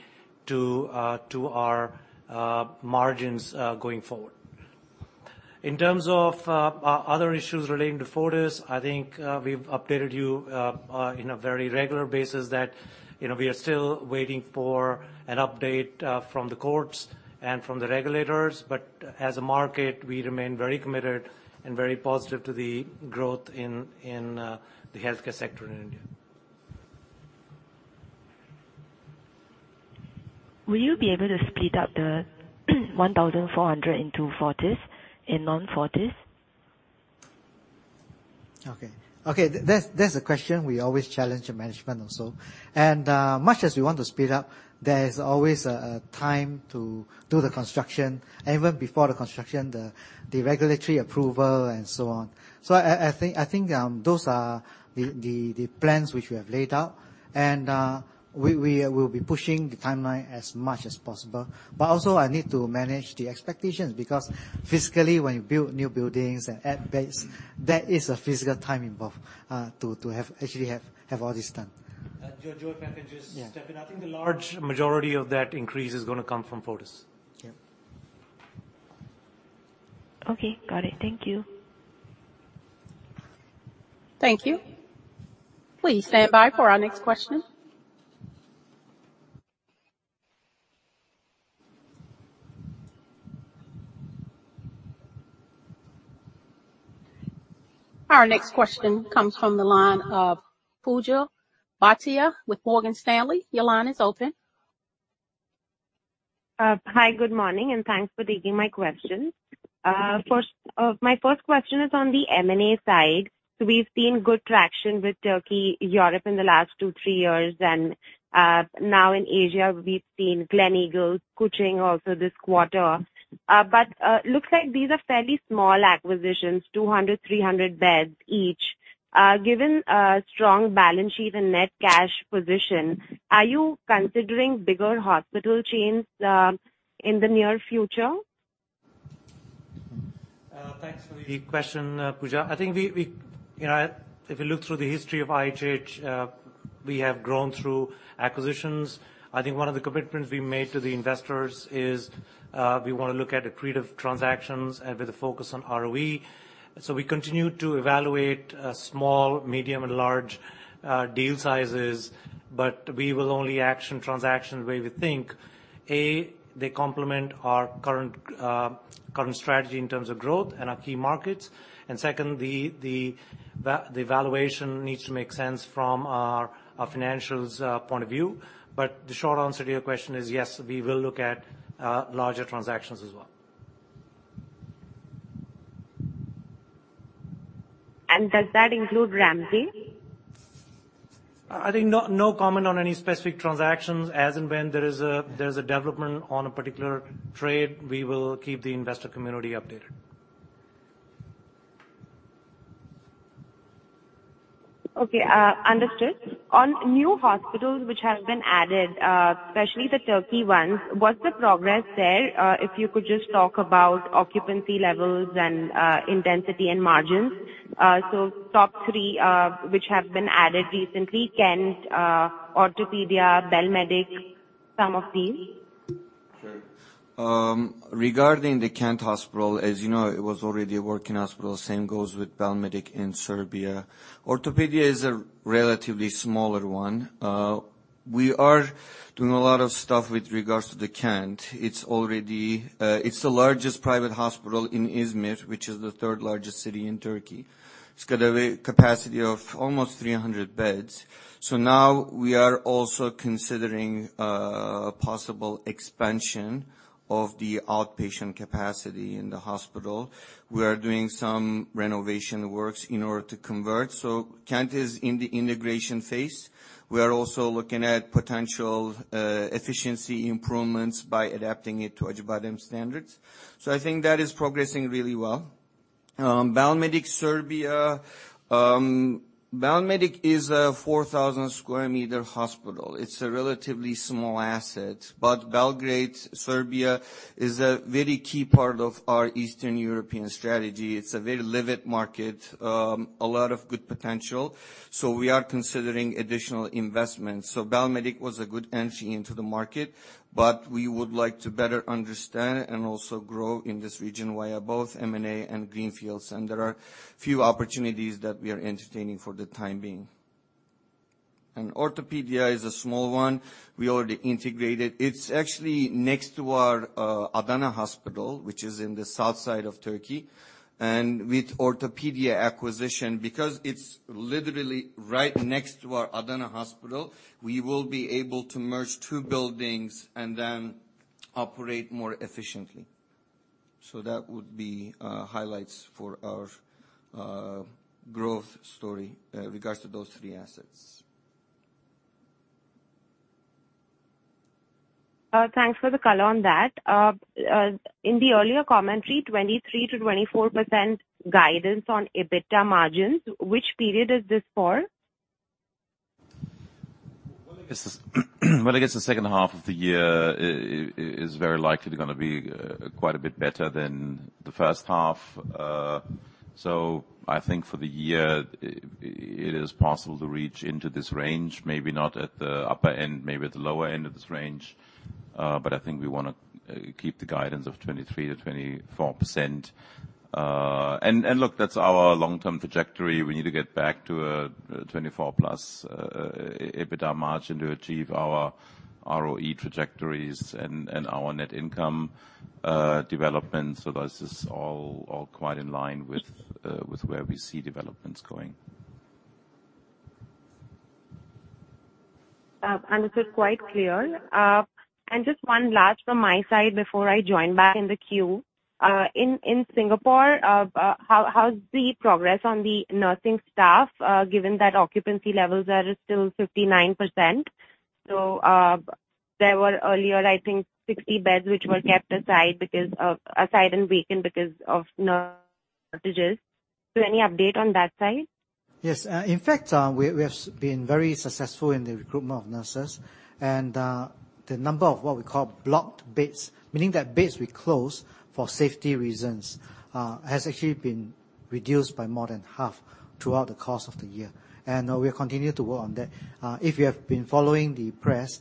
to our margins going forward. In terms of other issues relating to Fortis, I think we've updated you in a very regular basis that, you know, we are still waiting for an update from the courts and from the regulators, but as a market, we remain very committed and very positive to the growth in the healthcare sector in India. Will you be able to split up the 1,400 into Fortis and non-Fortis? Okay. Okay, that's a question we always challenge the management also. And much as we want to split up, there is always a time to do the construction and even before the construction, the regulatory approval and so on. So I think those are the plans which we have laid out, and we will be pushing the timeline as much as possible. But also, I need to manage the expectations, because physically, when you build new buildings and add beds, there is a physical time involved to actually have all this done. Joe, Joe, if I can just- Yeah. Step in. I think the large majority of that increase is going to come from Fortis. Yeah. Okay, got it. Thank you. Thank you. Please stand by for our next question. Our next question comes from the line of Pooja Bhatia with Morgan Stanley. Your line is open. Hi, good morning, and thanks for taking my question. First, my first question is on the M&A side. So we've seen good traction with Turkey, Europe in the last two, three years, and now in Asia, we've seen Gleneagles, Kuching also this quarter. But looks like these are fairly small acquisitions, 200-300 beds each. Given a strong balance sheet and net cash position, are you considering bigger hospital chains in the near future? Thanks for the question, Pooja. I think we you know, if you look through the history of IHH, we have grown through acquisitions. I think one of the commitments we made to the investors is, we want to look at accretive transactions and with a focus on ROE. So we continue to evaluate, small, medium, and large, deal sizes, but we will only action transactions where we think, A, they complement our current strategy in terms of growth and our key markets. And second, the valuation needs to make sense from our financials, point of view. But the short answer to your question is yes, we will look at, larger transactions as well. Does that include Ramsay? I think no, no comment on any specific transactions. As and when there is, there's a development on a particular trade, we will keep the investor community updated. Okay, understood. On new hospitals which have been added, especially the Turkey ones, what's the progress there? If you could just talk about occupancy levels and intensity and margins. So top three, which have been added recently, Kent, Ortopedia, Bel Medic, some of these. Sure. Regarding the Kent Hospital, as you know, it was already a working hospital. Same goes with Bel Medic in Serbia. Ortopedia is a relatively smaller one. We are doing a lot of stuff with regards to the Kent. It's the largest private hospital in Izmir, which is the third largest city in Turkey. It's got a capacity of almost 300 beds. So now we are also considering possible expansion of the outpatient capacity in the hospital. We are doing some renovation works in order to convert. So Kent is in the integration phase. We are also looking at potential efficiency improvements by adapting it to Acıbadem standards. So I think that is progressing really well. Bel Medic, Serbia. Bel Medic is a 4,000 sq m hospital. It's a relatively small asset, but Belgrade, Serbia, is a very key part of our Eastern European strategy. It's a very lively market, a lot of good potential. We are considering additional investments. Bel Medic was a good entry into the market, but we would like to better understand and also grow in this region via both M&A and greenfields, and there are a few opportunities that we are entertaining for the time being. Ortopedia is a small one. We already integrated. It's actually next to our Adana Hospital, which is in the south side of Turkey, and with Ortopedia acquisition, because it's literally right next to our Adana Hospital, we will be able to merge two buildings and then operate more efficiently. That would be highlights for our growth story regards to those three assets. Thanks for the color on that. In the earlier commentary, 23%-24% guidance on EBITDA margins, which period is this for? Well, I guess the second half of the year is very likely gonna be quite a bit better than the first half. So I think for the year, it is possible to reach into this range, maybe not at the upper end, maybe at the lower end of this range, but I think we wanna keep the guidance of 23%-24%. And look, that's our long-term trajectory. We need to get back to a 24+ EBITDA margin to achieve our ROE trajectories and our net income development. So this is all quite in line with where we see developments going. Understood. Quite clear. And just one last from my side before I join back in the queue. In Singapore, how's the progress on the nursing staff, given that occupancy levels are still 59%? So, there were earlier, I think, 60 beds which were kept aside because of... aside and vacant because of nurse shortages. So any update on that side? Yes. In fact, we have been very successful in the recruitment of nurses, and the number of what we call blocked beds, meaning that beds we closed for safety reasons, has actually been reduced by more than half throughout the course of the year, and we continue to work on that. If you have been following the press,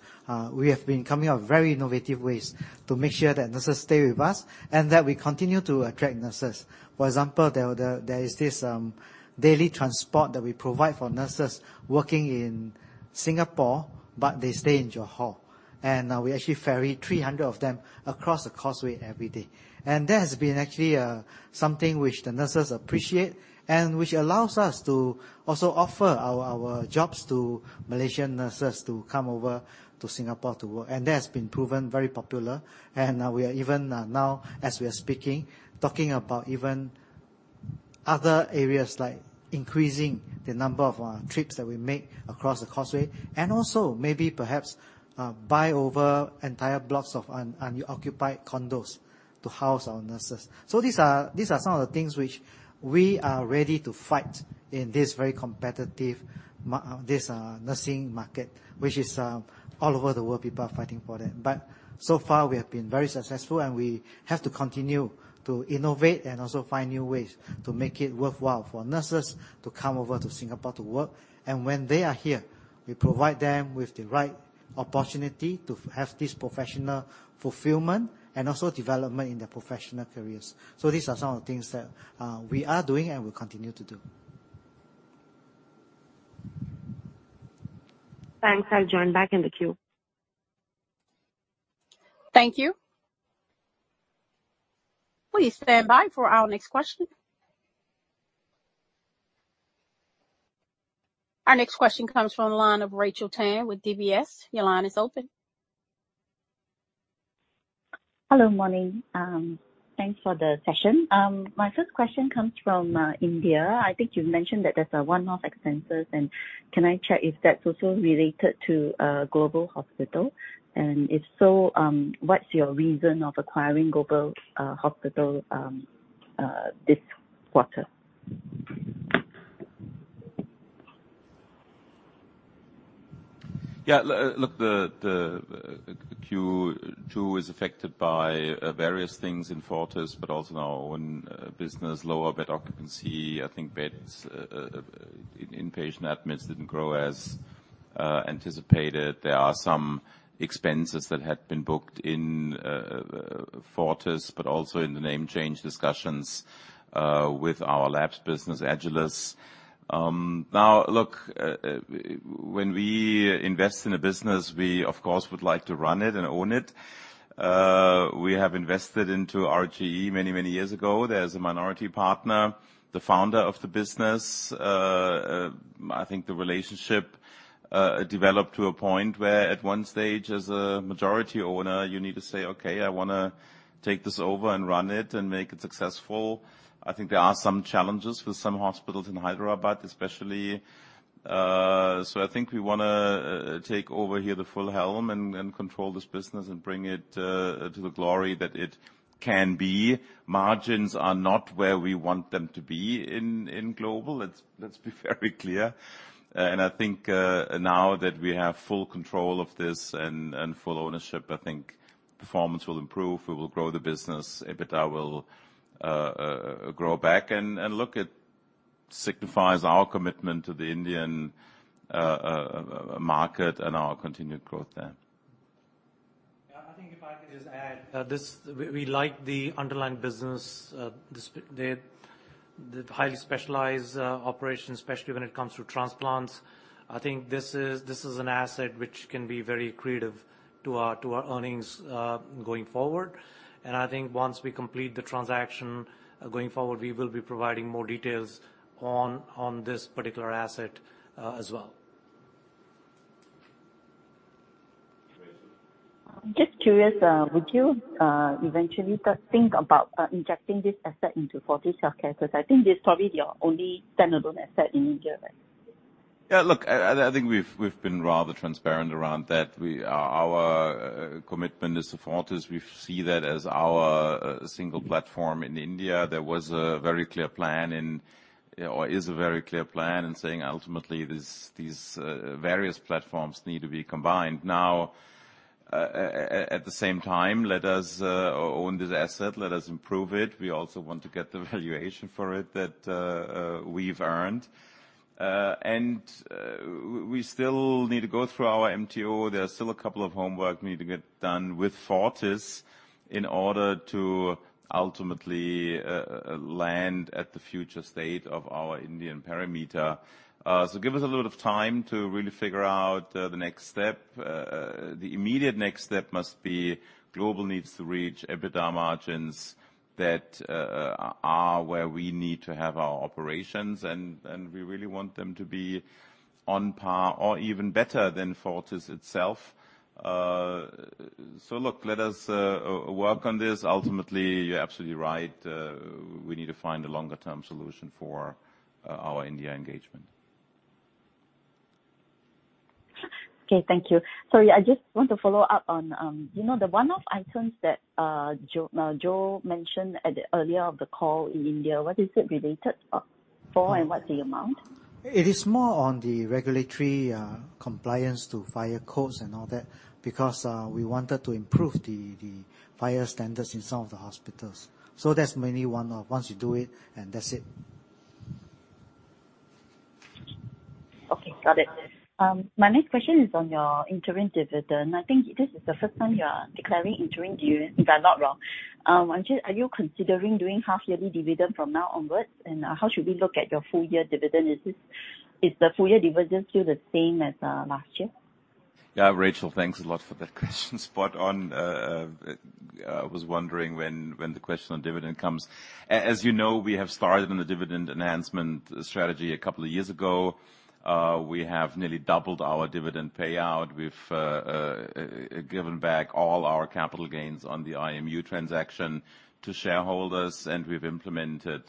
we have been coming up with very innovative ways to make sure that nurses stay with us and that we continue to attract nurses. For example, there is this daily transport that we provide for nurses working in Singapore, but they stay in Johor, and we actually ferry 300 of them across the causeway every day. That has been actually something which the nurses appreciate and which allows us to also offer our, our jobs to Malaysian nurses to come over to Singapore to work. That has been proven very popular, and we are even now, as we are speaking, talking about even other areas, like increasing the number of trips that we make across the causeway, and also maybe perhaps buy over entire blocks of unoccupied condos to house our nurses. These are some of the things which we are ready to fight in this very competitive nursing market, which is all over the world, people are fighting for that. But so far, we have been very successful, and we have to continue to innovate and also find new ways to make it worthwhile for nurses to come over to Singapore to work. And when they are here, we provide them with the right opportunity to have this professional fulfillment and also development in their professional careers. So these are some of the things that we are doing and will continue to do. Thanks. I'll join back in the queue. Thank you. Please stand by for our next question. Our next question comes from the line of Rachel Tan with DBS. Your line is open. Hello, morning. Thanks for the session. My first question comes from, India. I think you've mentioned that there's a one-off expenses, and can I check if that's also related to, Global Hospitals? And if so, what's your reason of acquiring Global Hospitals, this quarter? Yeah, look, the Q2 is affected by various things in Fortis, but also in our own business. Lower bed occupancy. I think beds in inpatient admits didn't grow as anticipated. There are some expenses that had been booked in Fortis, but also in the name change discussions with our labs business, Agilus. Now, look, when we invest in a business, we of course would like to run it and own it. We have invested into RGE many years ago. There's a minority partner, the founder of the business. I think the relationship developed to a point where at one stage, as a majority owner, you need to say, "Okay, I wanna take this over and run it and make it successful." I think there are some challenges with some hospitals in Hyderabad, especially. So I think we wanna take over here the full helm and control this business, and bring it to the glory that it can be. Margins are not where we want them to be in Global. Let's be very clear. And I think now that we have full control of this and full ownership, I think performance will improve. We will grow the business. EBITDA will grow back, and look, it signifies our commitment to the Indian market and our continued growth there. Yeah, I think if I could just add, this... We like the underlying business, the highly specialized operation, especially when it comes to transplants. I think this is an asset which can be very accretive to our earnings, going forward. And I think once we complete the transaction, going forward, we will be providing more details on this particular asset, as well. Rachel? Just curious, would you eventually think about injecting this asset into Fortis Healthcare? Because I think this is probably your only standalone asset in India, right? Yeah, look, I think we've been rather transparent around that. Our commitment is to Fortis. We see that as our single platform in India. There was a very clear plan in... or is a very clear plan in saying ultimately, these various platforms need to be combined. Now, at the same time, let us own this asset, let us improve it. We also want to get the valuation for it that we've earned. And we still need to go through our MTO. There are still a couple of homework we need to get done with Fortis in order to ultimately land at the future state of our Indian perimeter. So give us a little bit of time to really figure out the next step. The immediate next step must be, Global needs to reach EBITDA margins that are where we need to have our operations, and we really want them to be on par or even better than Fortis itself. So look, let us work on this. Ultimately, you're absolutely right. We need to find a longer term solution for our India engagement. Okay, thank you. Sorry, I just want to follow up on, you know, the one-off items that Joe mentioned at the earlier of the call in India. What is it related for and what's the amount? It is more on the regulatory compliance to fire codes and all that, because we wanted to improve the fire standards in some of the hospitals. So that's mainly one-off. Once you do it, and that's it. Okay, got it. My next question is on your interim dividend. I think this is the first time you are declaring interim dividend, if I'm not wrong. Are you considering doing half yearly dividend from now onwards? And how should we look at your full year dividend? Is the full year dividend still the same as last year? Yeah, Rachel, thanks a lot for that question. Spot on. I was wondering when the question on dividend comes. As you know, we have started on the dividend enhancement strategy a couple of years ago. We have nearly doubled our dividend payout. We've given back all our capital gains on the IMU transaction to shareholders, and we've implemented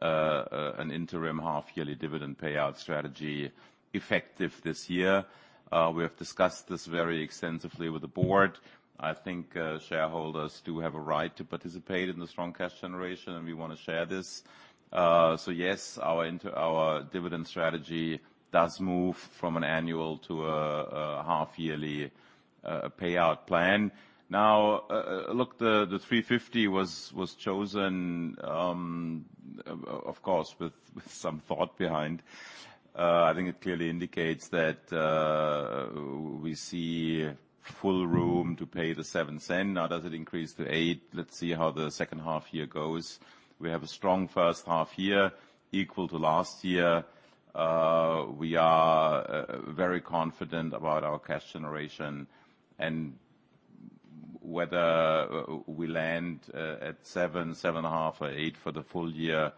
an interim half yearly dividend payout strategy effective this year. We have discussed this very extensively with the board. I think shareholders do have a right to participate in the strong cash generation, and we wanna share this. So yes, our dividend strategy does move from an annual to half yearly payout plan. Now, look, the 350 was chosen, of course, with some thought behind. I think it clearly indicates that, we see full room to pay the 0.07. Now, does it increase to 0.08? Let's see how the second half year goes. We have a strong first half year, equal to last year. We are, very confident about our cash generation and whether, we land, at 0.07, MYR 0.075, or 0.08 for the full year.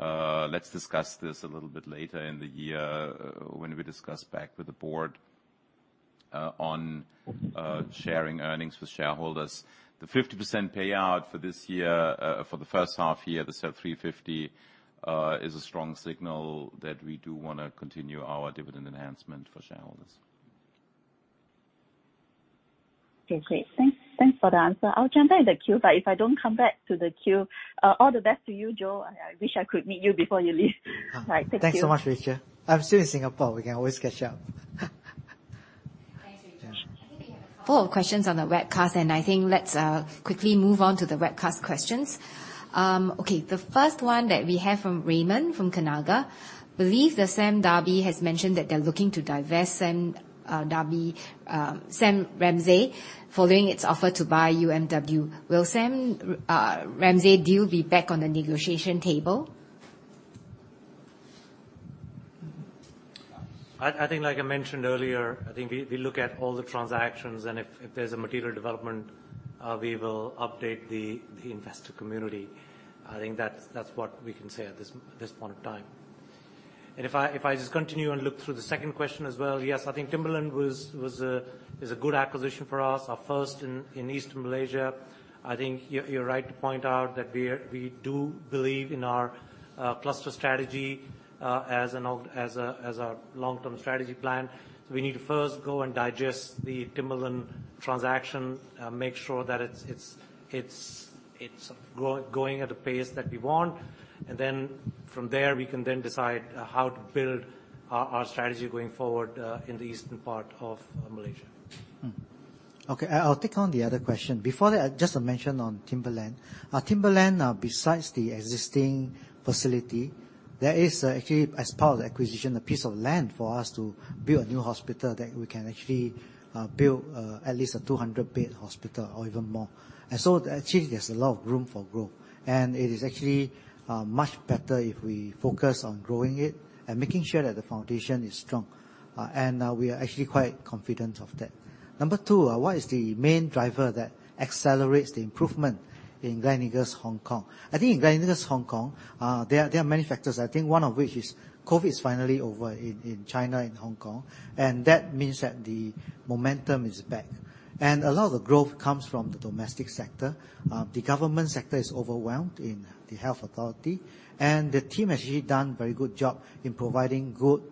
Let's discuss this a little bit later in the year, when we discuss back with the board, on, sharing earnings with shareholders. The 50% payout for this year, for the first half year, the set 0.035, is a strong signal that we do wanna continue our dividend enhancement for shareholders. Okay, great. Thanks, thanks for the answer. I'll jump back in the queue, but if I don't come back to the queue, all the best to you, Joe. I, I wish I could meet you before you leave. Right. Thank you. Thanks so much, Rachel. I'm still in Singapore. We can always catch up. Thanks, Rachel. I think we have a pool of questions on the webcast, and I think let's quickly move on to the webcast questions. Okay, the first one that we have from Raymond, from Canaccord, "Believe that Sime Darby has mentioned that they're looking to divest Sime Darby Ramsay, following its offer to buy UMW. Will Sime Ramsay deal be back on the negotiation table? I think, like I mentioned earlier, I think we look at all the transactions, and if there's a material development, we will update the investor community. I think that's what we can say at this point in time. And if I just continue and look through the second question as well, yes, I think Timberland was, is a good acquisition for us, our first in Eastern Malaysia. I think you're right to point out that we do believe in our cluster strategy as a long-term strategy plan. So we need to first go and digest the Timberland transaction, make sure that it's going at a pace that we want. And then from there, we can then decide how to build our, our strategy going forward in the eastern part of Malaysia. Okay, I'll take on the other question. Before that, just to mention on Timberland. Timberland, besides the existing facility, there is actually, as part of the acquisition, a piece of land for us to build a new hospital, that we can actually build at least a 200-bed hospital or even more. And so actually, there's a lot of room for growth. And it is actually much better if we focus on growing it and making sure that the foundation is strong. And we are actually quite confident of that. Number two, what is the main driver that accelerates the improvement in Gleneagles Hong Kong? I think in Gleneagles Hong Kong, there are many factors. I think one of which is, COVID is finally over in China and Hong Kong, and that means that the momentum is back. And a lot of the growth comes from the domestic sector. The government sector is overwhelmed in the health authority, and the team has actually done very good job in providing good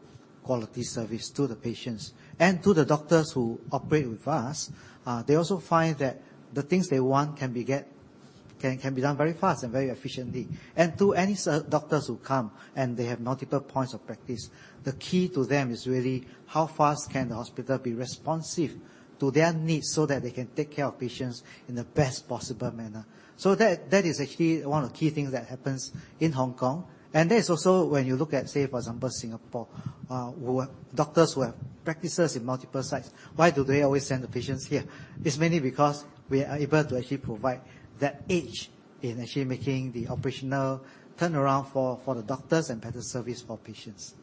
quality service to the patients and to the doctors who operate with us. They also find that the things they want can be done very fast and very efficiently. And to any doctors who come, and they have multiple points of practice, the key to them is really how fast can the hospital be responsive to their needs, so that they can take care of patients in the best possible manner. So that is actually one of the key things that happens in Hong Kong. That is also when you look at, say, for example, Singapore, who are doctors, who have practices in multiple sites, why do they always send the patients here? It's mainly because we are able to actually provide that edge in actually making the operational turnaround for, for the doctors and better service for patients.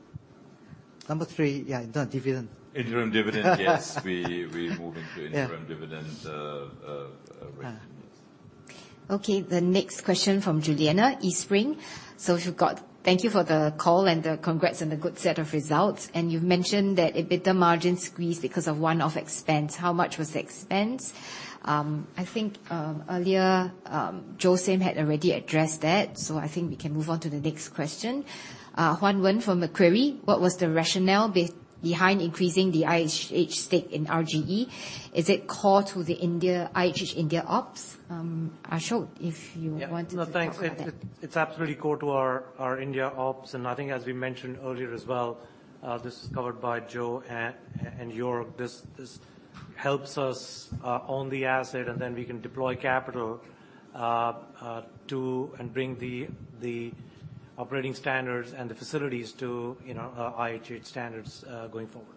Number three, yeah, interim dividend. Interim dividend, yes. We're moving to interim dividend. Okay, the next question from Juliana, Eastspring. So she's got... Thank you for the call and the congrats on the good set of results. And you've mentioned that EBITDA margin squeezed because of one-off expense. How much was the expense? I think earlier Joe Sim had already addressed that, so I think we can move on to the next question. Juan Wen from Macquarie: What was the rationale behind increasing the IHH stake in RGE? Is it core to the India, IHH India ops? Ashok, if you wanted to talk about that. Yeah. No, thanks. It's absolutely core to our India ops, and I think as we mentioned earlier as well, this is covered by Joe and Joerg. This helps us own the asset, and then we can deploy capital to and bring the operating standards and the facilities to, you know, IHH standards going forward.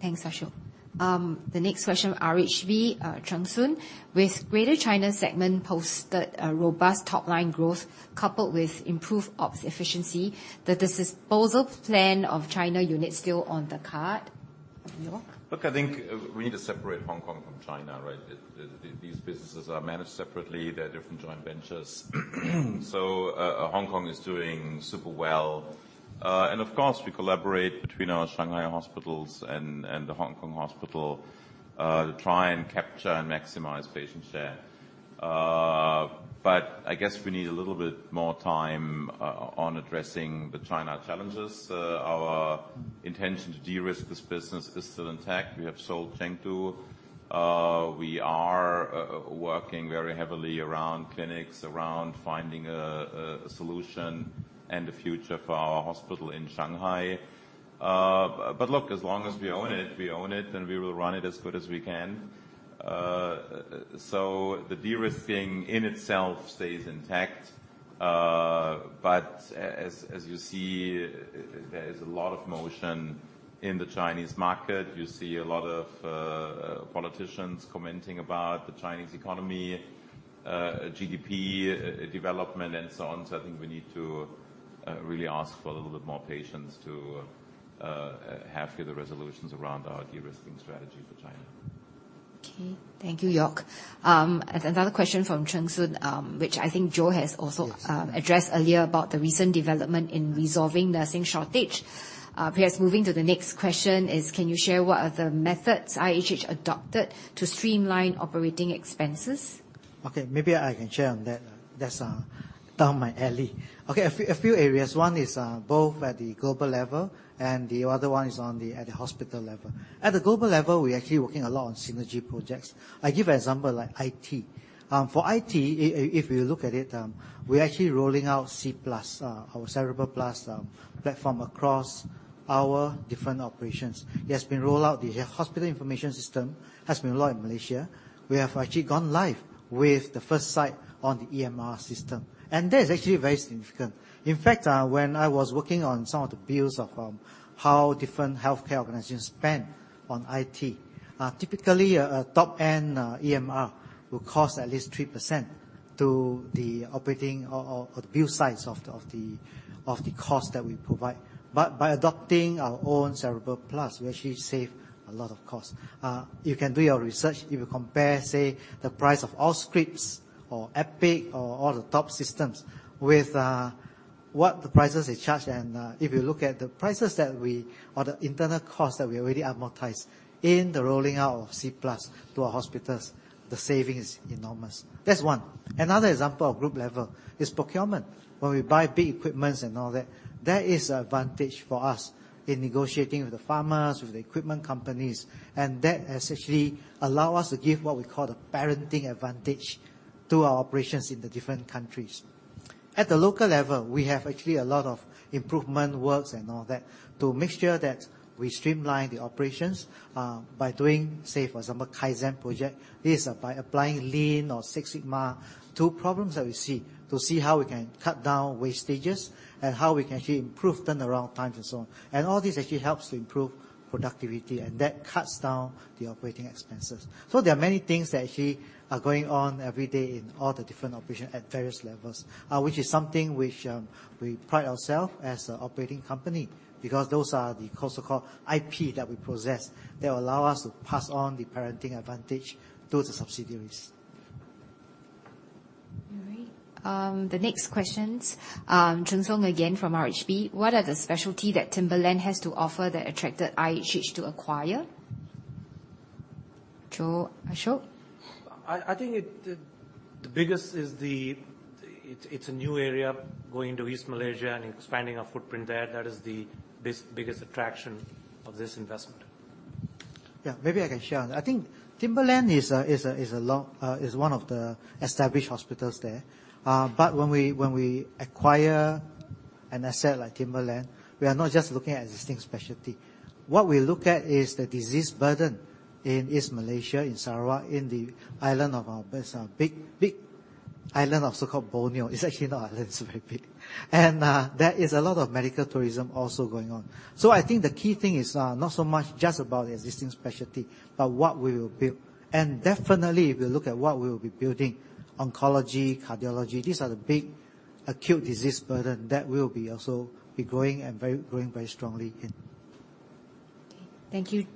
Thanks, Ashok. The next question, RHB, Siang Soong. With Greater China segment posted a robust top-line growth, coupled with improved ops efficiency, the disposal plan of China unit still on the card? Joerg? Look, I think, we need to separate Hong Kong from China, right? The these businesses are managed separately. They're different joint ventures. So, Hong Kong is doing super well. And of course, we collaborate between our Shanghai hospitals and the Hong Kong hospital, to try and capture and maximize patient share. But I guess we need a little bit more time, on addressing the China challenges. Our intention to de-risk this business is still intact. We have sold Chengdu. We are working very heavily around clinics, around finding a solution and a future for our hospital in Shanghai. But look, as long as we own it, we own it, and we will run it as good as we can. So the de-risking in itself stays intact. But as you see, there is a lot of motion in the Chinese market. You see a lot of politicians commenting about the Chinese economy, GDP, development, and so on. So I think we need to really ask for a little bit more patience to have further resolutions around our de-risking strategy for China. Okay. Thank you, Joerg. Another question from Siang Soong, which I think Joe has also addressed earlier about the recent development in resolving nursing shortage. Perhaps moving to the next question is, can you share what are the methods IHH adopted to streamline operating expenses? Okay, maybe I can share on that. That's down my alley. Okay, a few areas. One is both at the global level, and the other one is at the hospital level. At the global level, we're actually working a lot on synergy projects. I give an example, like IT. For IT, if we look at it, we're actually rolling out C+, our Cerebral Plus platform, across our different operations. It has been rolled out. The hospital information system has been launched in Malaysia. We have actually gone live with the first site on the EMR system, and that is actually very significant. In fact, when I was working on some of the bills of how different healthcare organizations spend on IT, typically, a top-end EMR will cost at least 3% to the operating or the bill size of the cost that we provide. But by adopting our own Cerebral Plus, we actually save a lot of costs. You can do your research. If you compare, say, the price of Allscripts or Epic or all the top systems with what the prices they charge, and if you look at the prices that we... or the internal costs that we already amortized in the rolling out of C+ to our hospitals, the saving is enormous. That's one. Another example of group level is procurement. When we buy big equipments and all that, there is advantage for us in negotiating with the pharmas, with the equipment companies, and that has actually allow us to give what we call the parenting advantage to our operations in the different countries. At the local level, we have actually a lot of improvement works and all that to make sure that we streamline the operations, by doing, say, for example, Kaizen project. This is by applying Lean or Six Sigma to problems that we see, to see how we can cut down wastages and how we can actually improve turnaround times and so on. And all this actually helps to improve productivity, and that cuts down the operating expenses. There are many things that actually are going on every day in all the different operations at various levels, which is something which we pride ourselves as an operating company, because those are the so-called IP that we possess, that allow us to pass on the parenting advantage to the subsidiaries. All right. The next questions, Siang Soong again from RHB. What are the specialty that Timberland has to offer that attracted IHH to acquire? Joe, Ashok? I think the biggest is the... It's a new area, going to East Malaysia and expanding our footprint there. That is the biggest attraction of this investment. Yeah, maybe I can share. I think Timberland is one of the long-established hospitals there. But when we acquire an asset like Timberland, we are not just looking at existing specialty. What we look at is the disease burden in East Malaysia, in Sarawak, in the island of our big, big island of so-called Borneo. It's actually not island, it's very big. And there is a lot of medical tourism also going on. So I think the key thing is not so much just about the existing specialty, but what we will build. And definitely, if you look at what we will be building, oncology, cardiology, these are the big acute disease burden that we will also be growing and growing very strongly in. Thank you.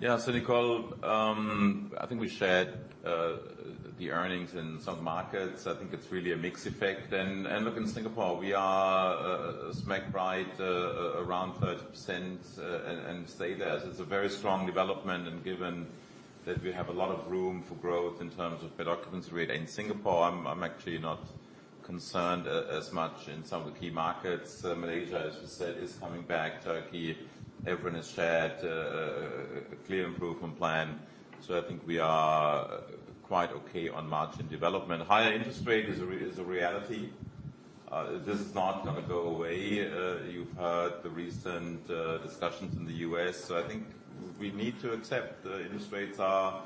Yeah, so Nicole, I think we shared the earnings in some markets. I think it's really a mixed effect. And look, in Singapore, we are smack right around 30%, and stay there. So it's a very strong development, and given that we have a lot of room for growth in terms of bed occupancy rate in Singapore, I'm actually not concerned as much in some of the key markets. So Malaysia, as you said, is coming back. Turkey, everyone has shared a clear improvement plan. So I think we are quite okay on margin development. Higher interest rate is a reality. This is not gonna go away. You've heard the recent discussions in the U.S., so I think we need to accept the interest rates are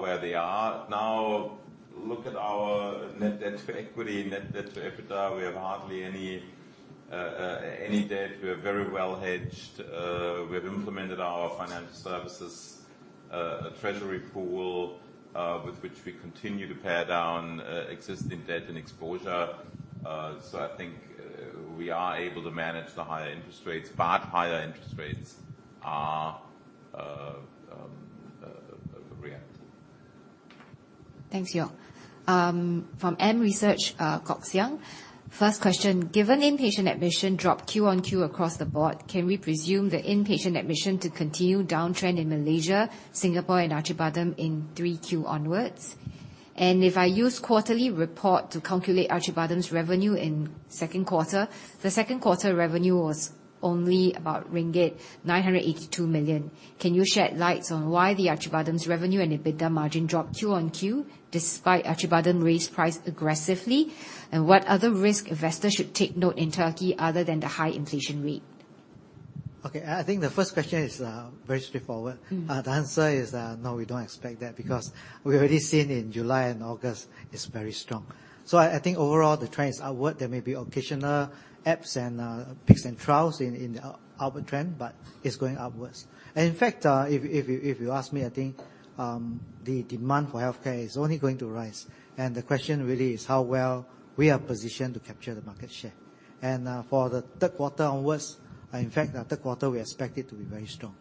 where they are. Now, look at our net debt to equity, net debt to EBITDA. We have hardly any debt. We are very well hedged. We have implemented our financial services treasury pool with which we continue to pare down existing debt and exposure. So I think we are able to manage the higher interest rates, but higher interest rates are a reality. Thanks, Joerg. From AmResearch, Kok Siang. First question: Given inpatient admission dropped Q on Q across the board, can we presume the inpatient admission to continue downtrend in Malaysia, Singapore and Acıbadem in 3Q onwards? And if I use quarterly report to calculate Acıbadem's revenue in second quarter, the second quarter revenue was only about ringgit 982 million. Can you shed light on why the Acıbadem's revenue and EBITDA margin dropped Q on Q, despite Acıbadem raised price aggressively? And what other risk investors should take note in Turkey other than the high inflation rate? Okay, I think the first question is very straightforward. Mm. The answer is, no, we don't expect that, because we've already seen in July and August, it's very strong. So I think overall, the trend is upward. There may be occasional lapses and peaks and troughs in the upward trend, but it's going upwards. And in fact, if you ask me, I think the demand for healthcare is only going to rise, and the question really is how well we are positioned to capture the market share. And for the third quarter onwards, in fact, the third quarter, we expect it to be very strong.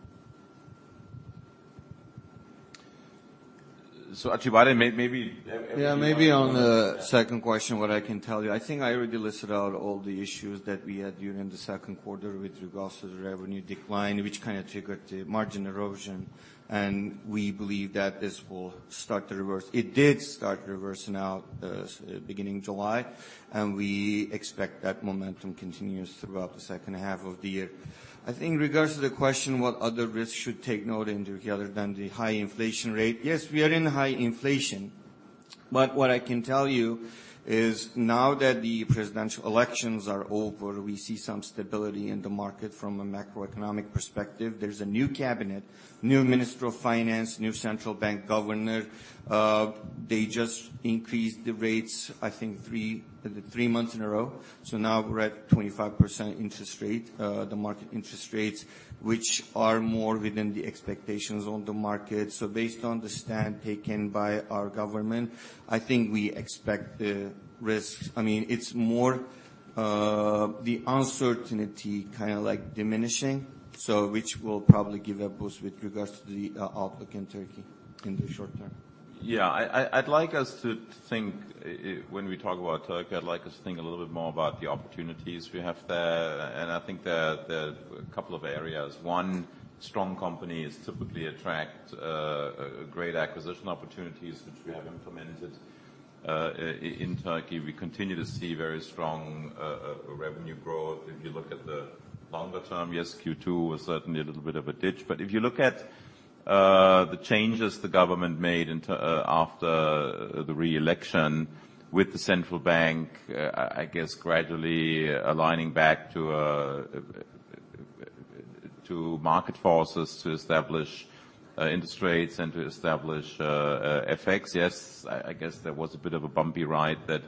Acıbadem, maybe- Yeah, maybe on the second question, what I can tell you, I think I already listed out all the issues that we had during the second quarter with regards to the revenue decline, which kind of triggered the margin erosion. And we believe that this will start to reverse. It did start reversing out, beginning July, and we expect that momentum continues throughout the second half of the year. I think in regards to the question, what other risks should take note in Turkey other than the high inflation rate? Yes, we are in high inflation, but what I can tell you is now that the presidential elections are over, we see some stability in the market from a macroeconomic perspective. There's a new cabinet, new minister of finance, new central bank Governor. They just increased the rates, I think three months in a row, so now we're at 25% interest rate, the market interest rates, which are more within the expectations on the market. So based on the stand taken by our government, I think we expect the risks... I mean, it's more, the uncertainty, kind of like diminishing, so which will probably give a boost with regards to the outlook in Turkey in the short term. Yeah. I'd like us to think, when we talk about Turkey, I'd like us to think a little bit more about the opportunities we have there, and I think there are a couple of areas. One, strong companies typically attract great acquisition opportunities, which we have implemented. In Turkey, we continue to see very strong revenue growth. If you look at the longer term, yes, Q2 was certainly a little bit of a ditch. But if you look at the changes the government made into after the re-election with the central bank, I guess gradually aligning back to market forces to establish interest rates and to establish FX. Yes, I guess there was a bit of a bumpy ride that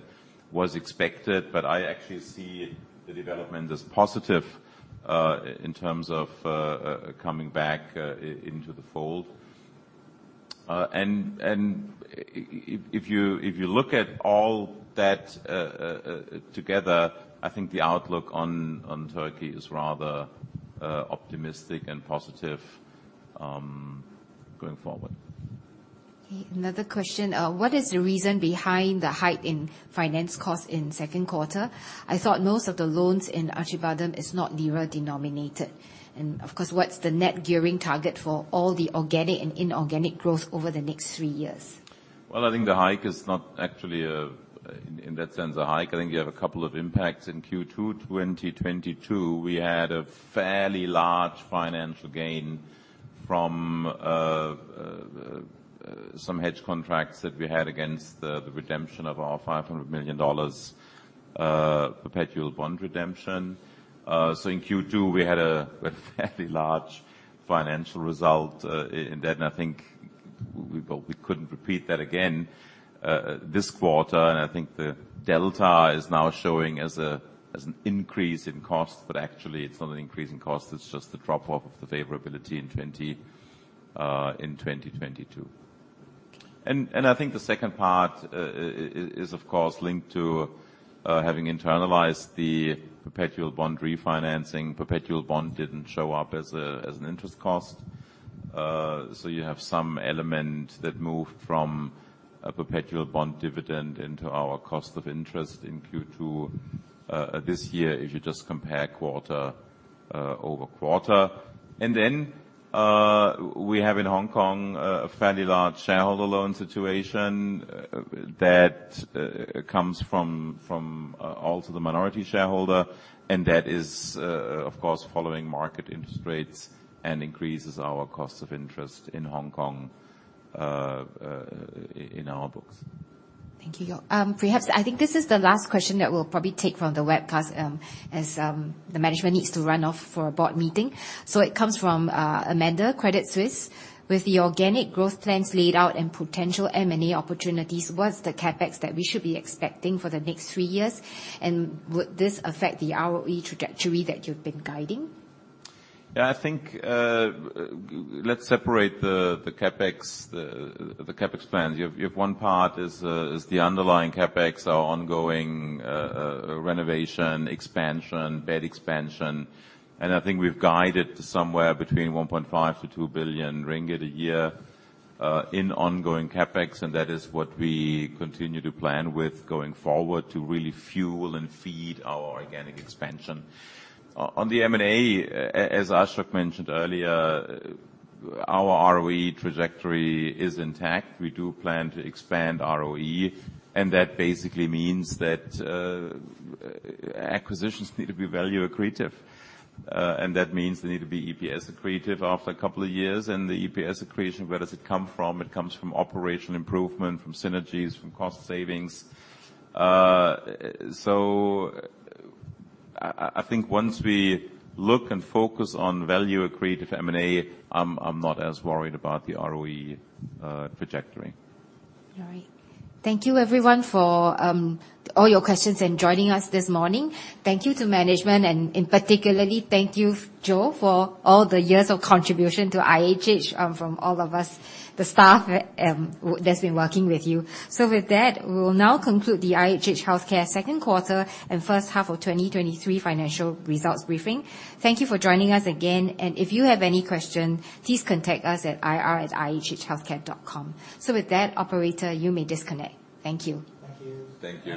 was expected, but I actually see the development as positive, in terms of coming back into the fold. And if you look at all that together, I think the outlook on Turkey is rather optimistic and positive going forward. Okay. Another question. What is the reason behind the hike in finance costs in second quarter? I thought most of the loans in Acıbadem is not lira denominated. And of course, what's the net gearing target for all the organic and inorganic growth over the next three years? Well, I think the hike is not actually a, in that sense, a hike. I think you have a couple of impacts. In Q2 2022, we had a fairly large financial gain from some hedge contracts that we had against the redemption of our $500 million perpetual bond redemption. So in Q2, we had a fairly large financial result in that, and I think we couldn't repeat that again this quarter. And I think the delta is now showing as an increase in cost, but actually, it's not an increase in cost, it's just the drop-off of the favorability in 2022. And I think the second part is, of course, linked to having internalized the perpetual bond refinancing. Perpetual bond didn't show up as an interest cost, so you have some element that moved from a perpetual bond dividend into our cost of interest in Q2 this year, if you just compare quarter over quarter. And then, we have in Hong Kong a fairly large shareholder loan situation that comes from also the minority shareholder, and that is, of course, following market interest rates and increases our costs of interest in Hong Kong in our books. Thank you. Perhaps, I think this is the last question that we'll probably take from the webcast, as the management needs to run off for a board meeting. So it comes from Amanda, Credit Suisse. With the organic growth plans laid out and potential M&A opportunities, what's the CapEx that we should be expecting for the next three years? And would this affect the ROE trajectory that you've been guiding? Yeah, I think, let's separate the, the CapEx, the, the CapEx plans. You have, you have one part is, is the underlying CapEx, our ongoing, renovation, expansion, bed expansion, and I think we've guided to somewhere between 1.5 billion-2 billion ringgit a year, in ongoing CapEx, and that is what we continue to plan with going forward to really fuel and feed our organic expansion. On the M&A, as Ashok mentioned earlier, our ROE trajectory is intact. We do plan to expand ROE, and that basically means that, acquisitions need to be value accretive, and that means they need to be EPS accretive after a couple of years. And the EPS accretion, where does it come from? It comes from operational improvement, from synergies, from cost savings. I think once we look and focus on value accretive M&A, I'm not as worried about the ROE trajectory. All right. Thank you, everyone, for all your questions and joining us this morning. Thank you to management, and particularly, thank you, Joe, for all the years of contribution to IHH, from all of us, the staff, that's been working with you. So with that, we will now conclude the IHH Healthcare second quarter and first half of 2023 financial results briefing. Thank you for joining us again, and if you have any questions, please contact us at ir@ihhhealthcare.com. So with that, operator, you may disconnect. Thank you. Thank you. Thank you.